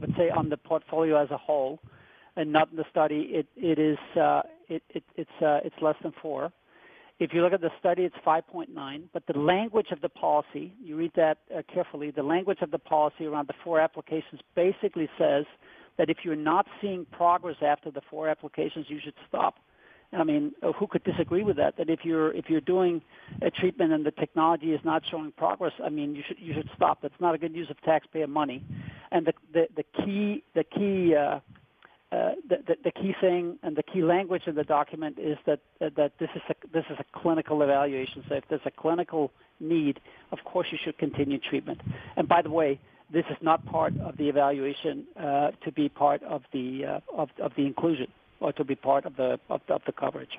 would say on the portfolio as a whole and not in the study, it's less than 4. If you look at the study, it's 5.9. But the language of the policy, you read that carefully, the language of the policy around the four applications basically says that if you're not seeing progress after the four applications, you should stop. And I mean, who could disagree with that? That if you're doing a treatment and the technology is not showing progress, I mean, you should stop. That's not a good use of taxpayer money. And the key thing and the key language in the document is that this is a clinical evaluation. So if there's a clinical need, of course, you should continue treatment. And by the way, this is not part of the evaluation to be part of the inclusion or to be part of the coverage.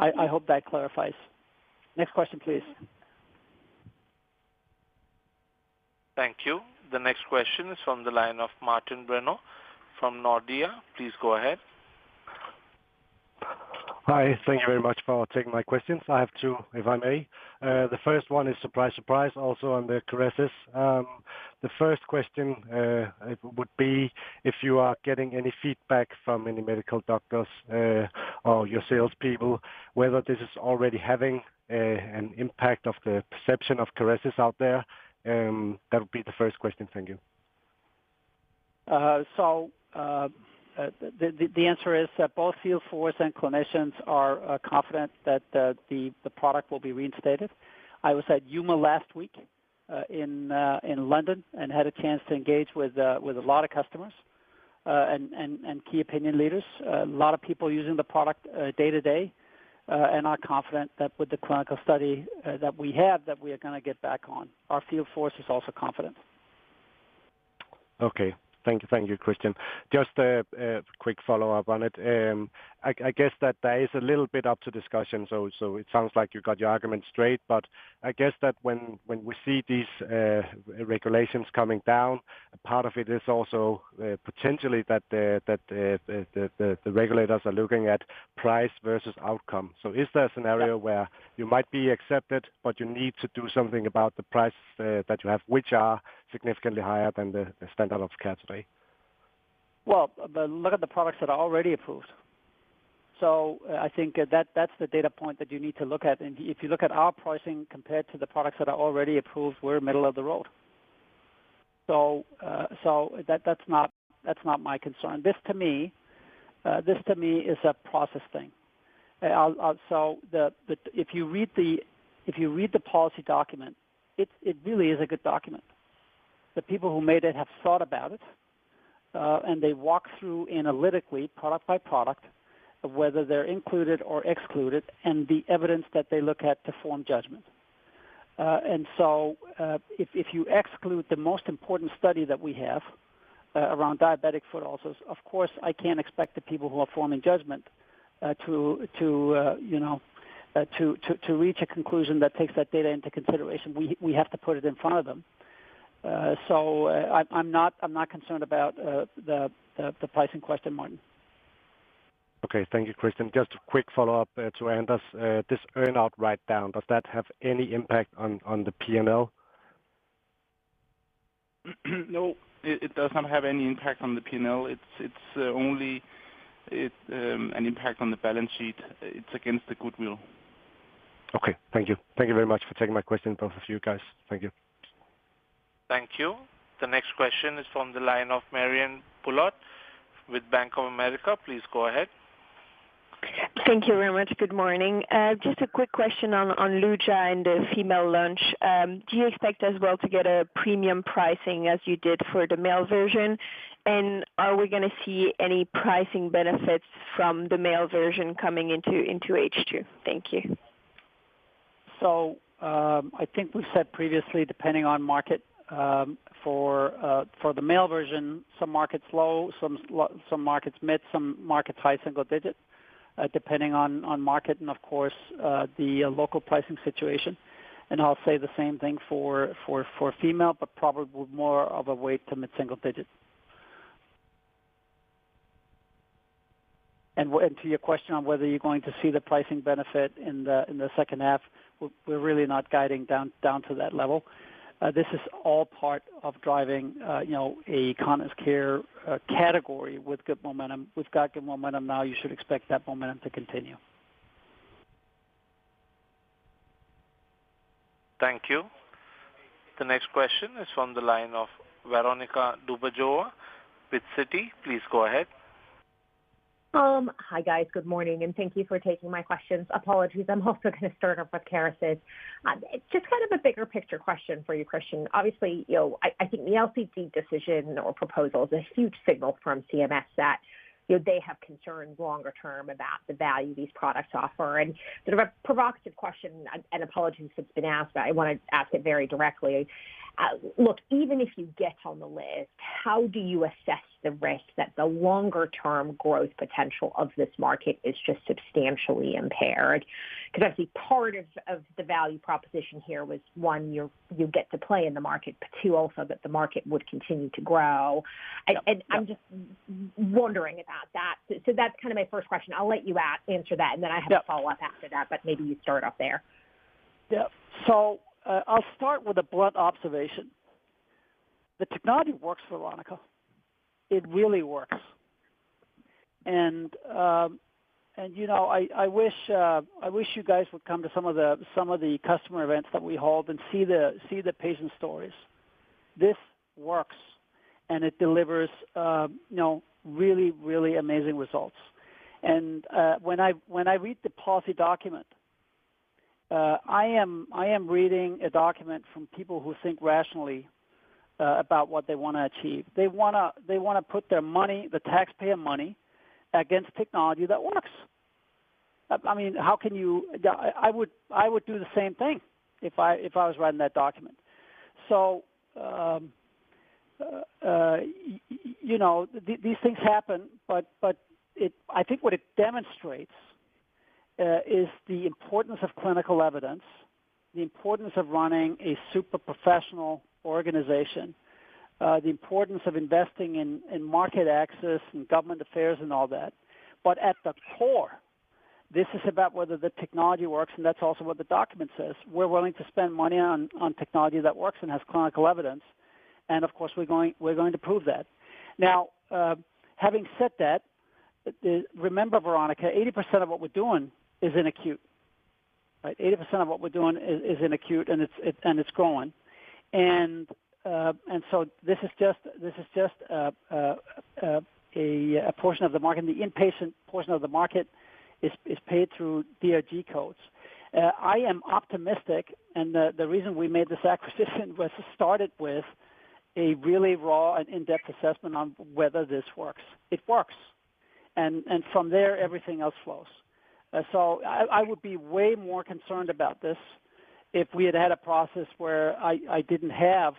I hope that clarifies. Next question, please. Thank you. The next question is from the line of Martin Brenøe from Nordea. Please go ahead. Hi. Thank you very much for taking my questions. I have two, if I may. The first one is surprise, surprise, also under Kerecis. The first question would be if you are getting any feedback from any medical doctors or your salespeople whether this is already having an impact of the perception of Kerecis out there. That would be the first question. Thank you. So the answer is that both sales force and clinicians are confident that the product will be reinstated. I was at UMA last week in London and had a chance to engage with a lot of customers and key opinion leaders, a lot of people using the product day-to-day, and are confident that with the clinical study that we have that we are going to get back on. Our field force is also confident. Okay. Thank you, Kristian. Just a quick follow-up on it. I guess that that is a little bit up to discussion. So it sounds like you've got your argument straight. But I guess that when we see these regulations coming down, part of it is also potentially that the regulators are looking at price versus outcome. So is there a scenario where you might be accepted, but you need to do something about the price that you have, which are significantly higher than the standard of care today? Well, look at the products that are already approved. So I think that's the data point that you need to look at. And if you look at our pricing compared to the products that are already approved, we're middle of the road. So that's not my concern. This, to me, is a process thing. So if you read the policy document, it really is a good document. The people who made it have thought about it, and they walk through analytically, product by product, whether they're included or excluded, and the evidence that they look at to form judgment. And so if you exclude the most important study that we have around diabetic foot ulcers, of course, I can't expect the people who are forming judgment to reach a conclusion that takes that data into consideration. We have to put it in front of them. So I'm not concerned about the pricing question, Martin. Okay. Thank you, Kristian. Just a quick follow-up to Anders. This earnout write-down, does that have any impact on the P&L? No, it does not have any impact on the P&L. It's only an impact on the balance sheet. It's against the goodwill. Okay. Thank you. Thank you very much for taking my question, both of you guys. Thank you. Thank you. The next question is from the line of Marianne Bulot with Bank of America. Please go ahead. Thank you very much. Good morning. Just a quick question on Luja and the female launch. Do you expect as well to get a premium pricing as you did for the male version? And are we going to see any pricing benefits from the male version coming into H2? Thank you. So I think we said previously, depending on market for the male version, some markets low, some markets mid, some markets high single digit, depending on market and, of course, the local pricing situation. And I'll say the same thing for female, but probably more of a weight to mid-single digit. And to your question on whether you're going to see the pricing benefit in the second half, we're really not guiding down to that level. This is all part of driving a continence care category with good momentum. We've got good momentum now. You should expect that momentum to continue. Thank you. The next question is from the line of Veronika Dubajova with Citi. Please go ahead. Hi, guys. Good morning. And thank you for taking my questions. Apologies. I'm also going to start off with Kerecis. Just kind of a bigger picture question for you, Kristian. Obviously, I think the LCD decision or proposal is a huge signal from CMS that they have concerns longer-term about the value these products offer. And sort of a provocative question and apologies that's been asked, but I want to ask it very directly. Look, even if you get on the list, how do you assess the risk that the longer-term growth potential of this market is just substantially impaired? Because obviously, part of the value proposition here was, one, you get to play in the market, but two, also that the market would continue to grow. I'm just wondering about that. That's kind of my first question. I'll let you answer that, and then I have a follow-up after that. Maybe you start off there. Yep. I'll start with a blunt observation. The technology works, Veronika. It really works. I wish you guys would come to some of the customer events that we hold and see the patient stories. This works, and it delivers really, really amazing results. When I read the policy document, I am reading a document from people who think rationally about what they want to achieve. They want to put their money, the taxpayer money, against technology that works. I mean, how can you, I would do the same thing if I was writing that document. So these things happen, but I think what it demonstrates is the importance of clinical evidence, the importance of running a super professional organization, the importance of investing in market access and government affairs and all that. But at the core, this is about whether the technology works, and that's also what the document says. We're willing to spend money on technology that works and has clinical evidence. And of course, we're going to prove that. Now, having said that, remember, Veronika, 80% of what we're doing is in acute, right? 80% of what we're doing is in acute, and it's growing. And so this is just a portion of the market. The inpatient portion of the market is paid through DRG codes. I am optimistic. The reason we made this acquisition was it started with a really raw and in-depth assessment on whether this works. It works. From there, everything else flows. I would be way more concerned about this if we had had a process where I didn't have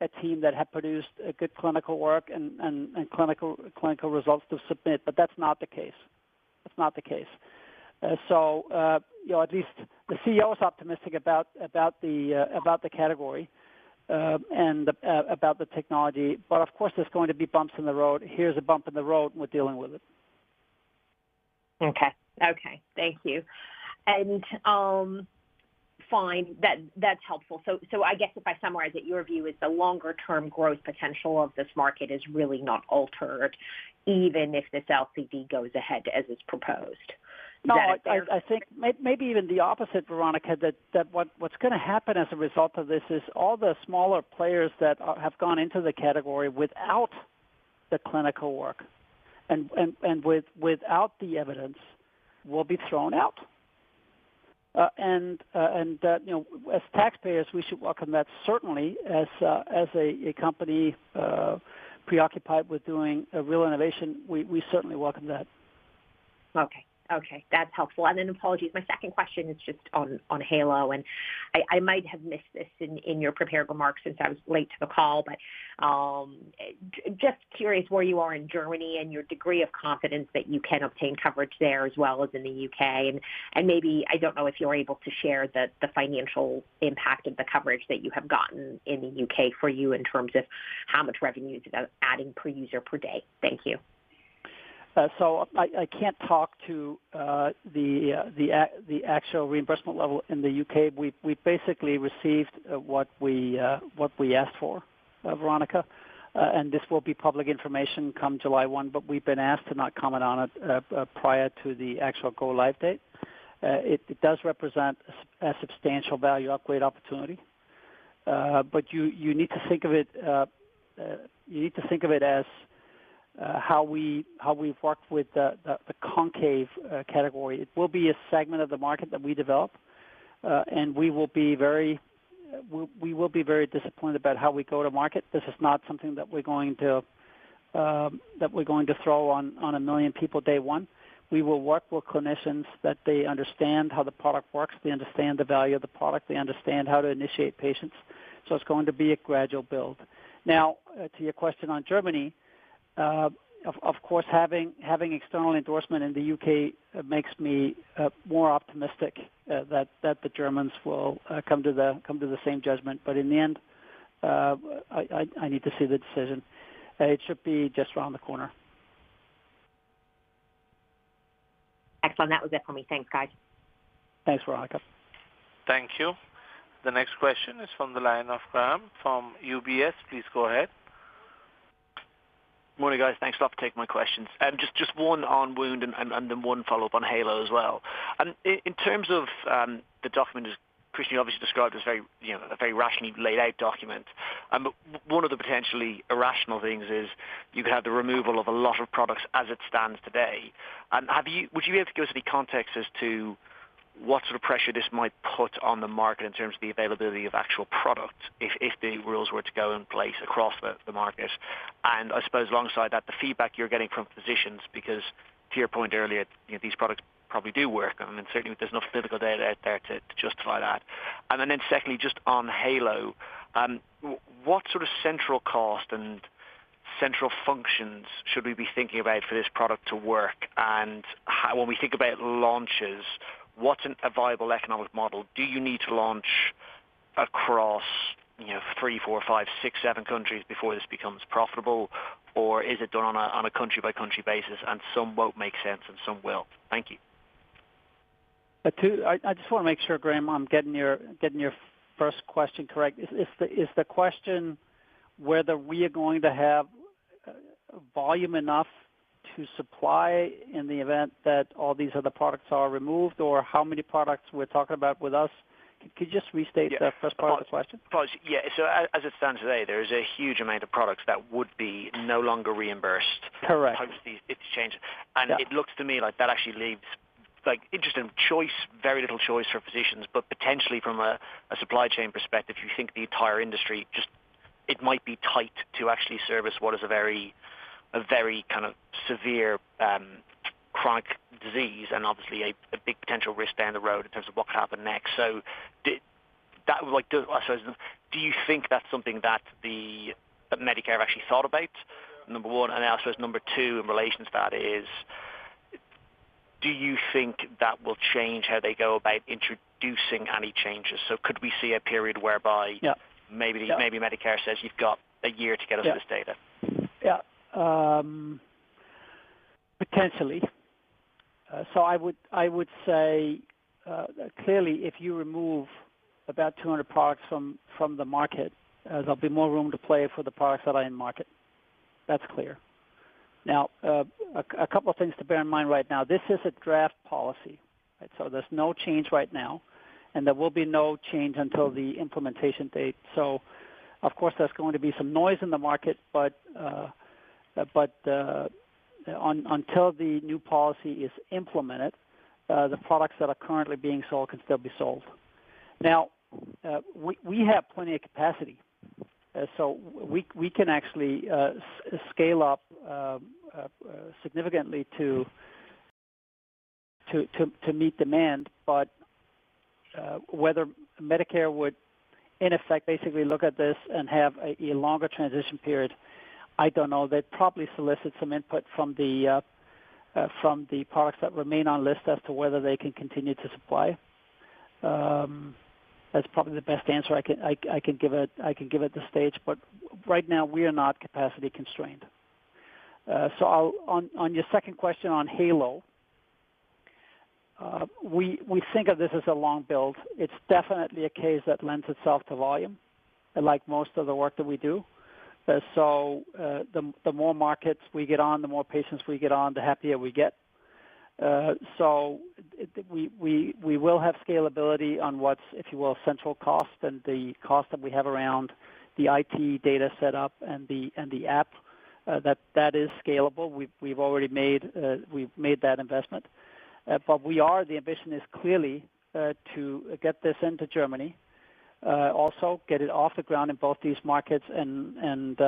a team that had produced good clinical work and clinical results to submit. But that's not the case. That's not the case. At least the CEO is optimistic about the category and about the technology. But of course, there's going to be bumps in the road. Here's a bump in the road. We're dealing with it. Okay. Thank you. Fine. That's helpful. I guess if I summarize it, your view is the longer-term growth potential of this market is really not altered even if this LCD goes ahead as is proposed. Is that fair? No. I think maybe even the opposite, Veronika, that what's going to happen as a result of this is all the smaller players that have gone into the category without the clinical work and without the evidence will be thrown out. As taxpayers, we should welcome that. Certainly, as a company preoccupied with doing real innovation, we certainly welcome that. Okay. That's helpful. Then, apologies. My second question is just on Heylo. I might have missed this in your prepared remarks since I was late to the call. But just curious where you are in Germany and your degree of confidence that you can obtain coverage there as well as in the UK. And maybe I don't know if you're able to share the financial impact of the coverage that you have gotten in the U.K. for you in terms of how much revenue is it adding per user per day. Thank you. So I can't talk to the actual reimbursement level in the U.K. We've basically received what we asked for, Veronika. And this will be public information come July 1. But we've been asked to not comment on it prior to the actual go-live date. It does represent a substantial value upgrade opportunity. But you need to think of it as how we've worked with the concave category. It will be a segment of the market that we develop, and we will be very we will be very disciplined about how we go to market. This is not something that we're going to throw on a million people day one. We will work with clinicians that they understand how the product works. They understand the value of the product. They understand how to initiate patients. So it's going to be a gradual build. Now, to your question on Germany, of course, having external endorsement in the U.K. makes me more optimistic that the Germans will come to the same judgment. But in the end, I need to see the decision. It should be just around the corner. Excellent. That was it for me. Thanks, guys. Thanks, Veronika. Thank you. The next question is from the line of Graham from UBS. Please go ahead. Good morning, guys. Thanks a lot for taking my questions. Just one on wound and then one follow-up on Heylo as well. In terms of the document, as Kristian obviously described, is a very rationally laid out document. But one of the potentially irrational things is you could have the removal of a lot of products as it stands today. And would you be able to give us any context as to what sort of pressure this might put on the market in terms of the availability of actual product if the rules were to go in place across the market? And I suppose alongside that, the feedback you're getting from physicians because to your point earlier, these products probably do work. And certainly, there's enough clinical data out there to justify that. And then secondly, just on Heylo, what sort of central cost and central functions should we be thinking about for this product to work? And when we think about launches, what's a viable economic model? Do you need to launch across three, four, five, six, seven countries before this becomes profitable? Or is it done on a country-by-country basis, and some won't make sense and some will? Thank you. I just want to make sure, Graham, I'm getting your first question correct. Is the question whether we are going to have volume enough to supply in the event that all these other products are removed? Or how many products we're talking about with us? Could you just restate the first part of the question? Yeah. So as it stands today, there is a huge amount of products that would be no longer reimbursed post these changes. And it looks to me like that actually leaves interesting choice, very little choice for physicians. But potentially, from a supply chain perspective, you think the entire industry, it might be tight to actually service what is a very kind of severe chronic disease and obviously a big potential risk down the road in terms of what could happen next. So I suppose, do you think that's something that Medicare have actually thought about, number one? And I suppose, number two in relation to that is, do you think that will change how they go about introducing any changes? So could we see a period whereby maybe Medicare says, "You've got a year to get us this data"? Yeah. Potentially. So I would say clearly, if you remove about 200 products from the market, there'll be more room to play for the products that are in market. That's clear. Now, a couple of things to bear in mind right now. This is a draft policy, right? So there's no change right now, and there will be no change until the implementation date. So of course, there's going to be some noise in the market. But until the new policy is implemented, the products that are currently being sold can still be sold. Now, we have plenty of capacity. So we can actually scale up significantly to meet demand. But whether Medicare would, in effect, basically look at this and have a longer transition period, I don't know. They'd probably solicit some input from the products that remain on list as to whether they can continue to supply. That's probably the best answer I can give at this stage. But right now, we are not capacity-constrained. So on your second question on Heylo, we think of this as a long build. It's definitely a case that lends itself to volume like most of the work that we do. So the more markets we get on, the more patients we get on, the happier we get. So we will have scalability on what's, if you will, central cost and the cost that we have around the IT data setup and the app. That is scalable. We've already made that investment. But the ambition is clearly to get this into Germany, also get it off the ground in both these markets, and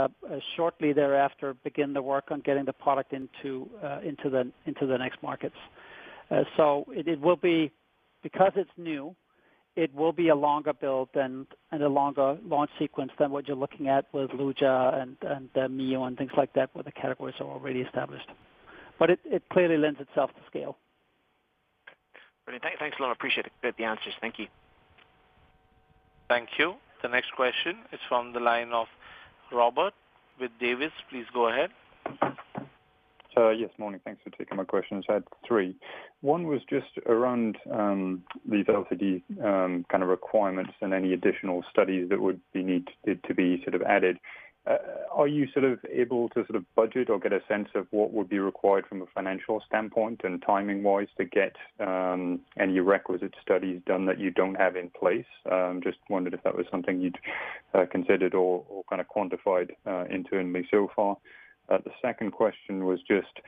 shortly thereafter, begin the work on getting the product into the next markets. So because it's new, it will be a longer build and a longer launch sequence than what you're looking at with Luja and Mio and things like that where the categories are already established. But it clearly lends itself to scale. Brilliant. Thanks a lot. I appreciate the answers. Thank you. Thank you. The next question is from the line of Robert Davies. Please go ahead. Yes. Morning. Thanks for taking my questions. I had three. One was just around these LCD kind of requirements and any additional studies that would be needed to be sort of added. Are you sort of able to sort of budget or get a sense of what would be required from a financial standpoint and timing-wise to get any requisite studies done that you don't have in place? Just wondered if that was something you'd considered or kind of quantified internally so far. The second question was just,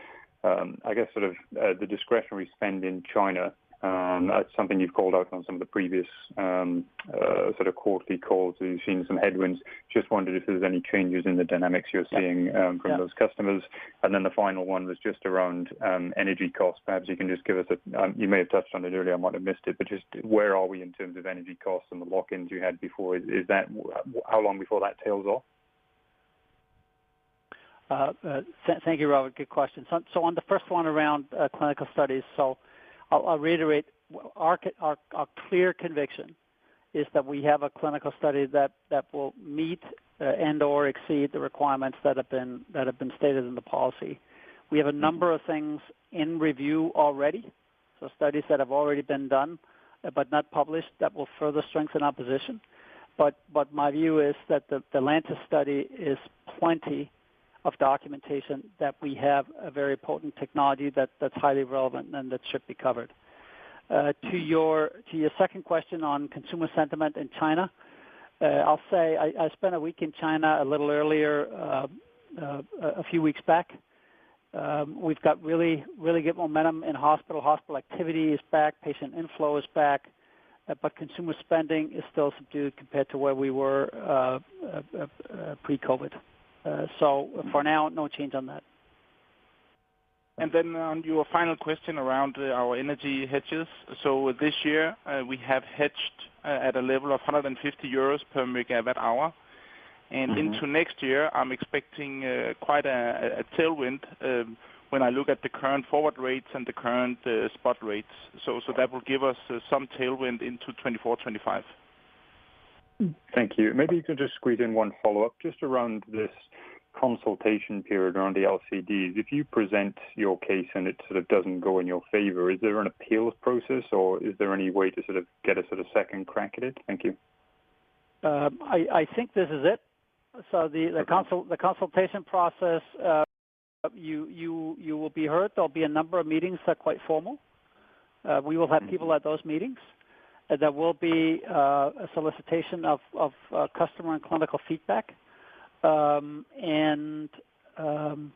I guess, sort of the discretionary spend in China. That's something you've called out on some of the previous sort of quarterly calls. You've seen some headwinds. Just wondered if there's any changes in the dynamics you're seeing from those customers. And then the final one was just around energy costs. Perhaps you can just give us a— you may have touched on it earlier. I might have missed it. But just where are we in terms of energy costs and the lock-ins you had before? How long before that tails off? Thank you, Robert. Good question. So on the first one around clinical studies, so I'll reiterate. Our clear conviction is that we have a clinical study that will meet and/or exceed the requirements that have been stated in the policy. We have a number of things in review already, so studies that have already been done but not published that will further strengthen our position. But my view is that the Lantis study is plenty of documentation that we have a very potent technology that's highly relevant and that should be covered. To your second question on consumer sentiment in China, I'll say I spent a week in China a little earlier, a few weeks back. We've got really, really good momentum in hospital. Hospital activity is back. Patient inflow is back. But consumer spending is still subdued compared to where we were pre-COVID. So for now, no change on that. And then on your final question around our energy hedges. So this year, we have hedged at a level of 150 euros per MWh. And into next year, I'm expecting quite a tailwind when I look at the current forward rates and the current spot rates. So that will give us some tailwind into 2024, 2025. Thank you. Maybe you can just squeeze in one follow-up just around this consultation period around the LCDs. If you present your case and it sort of doesn't go in your favor, is there an appeals process? Or is there any way to sort of get a sort of second crack at it? Thank you. I think this is it. So the consultation process, you will be heard. There'll be a number of meetings that are quite formal. We will have people at those meetings. There will be a solicitation of customer and clinical feedback. And on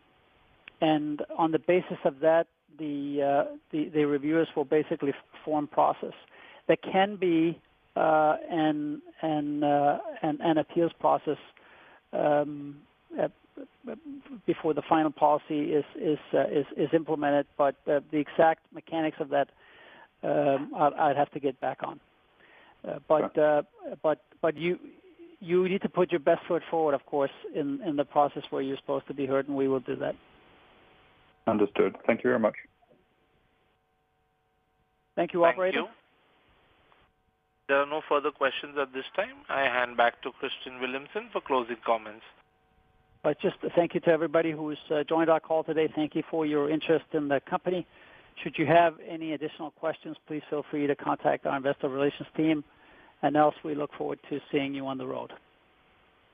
the basis of that, the reviewers will basically form process. There can be an appeals process before the final policy is implemented. But the exact mechanics of that, I'd have to get back on. But you need to put your best foot forward, of course, in the process where you're supposed to be heard. We will do that. Understood. Thank you very much. Thank you, operator? Thank you. There are no further questions at this time. I hand back to Kristian Villumsen for closing comments. Just thank you to everybody who has joined our call today. Thank you for your interest in the company. Should you have any additional questions, please feel free to contact our Investor Relations team. And else, we look forward to seeing you on the road.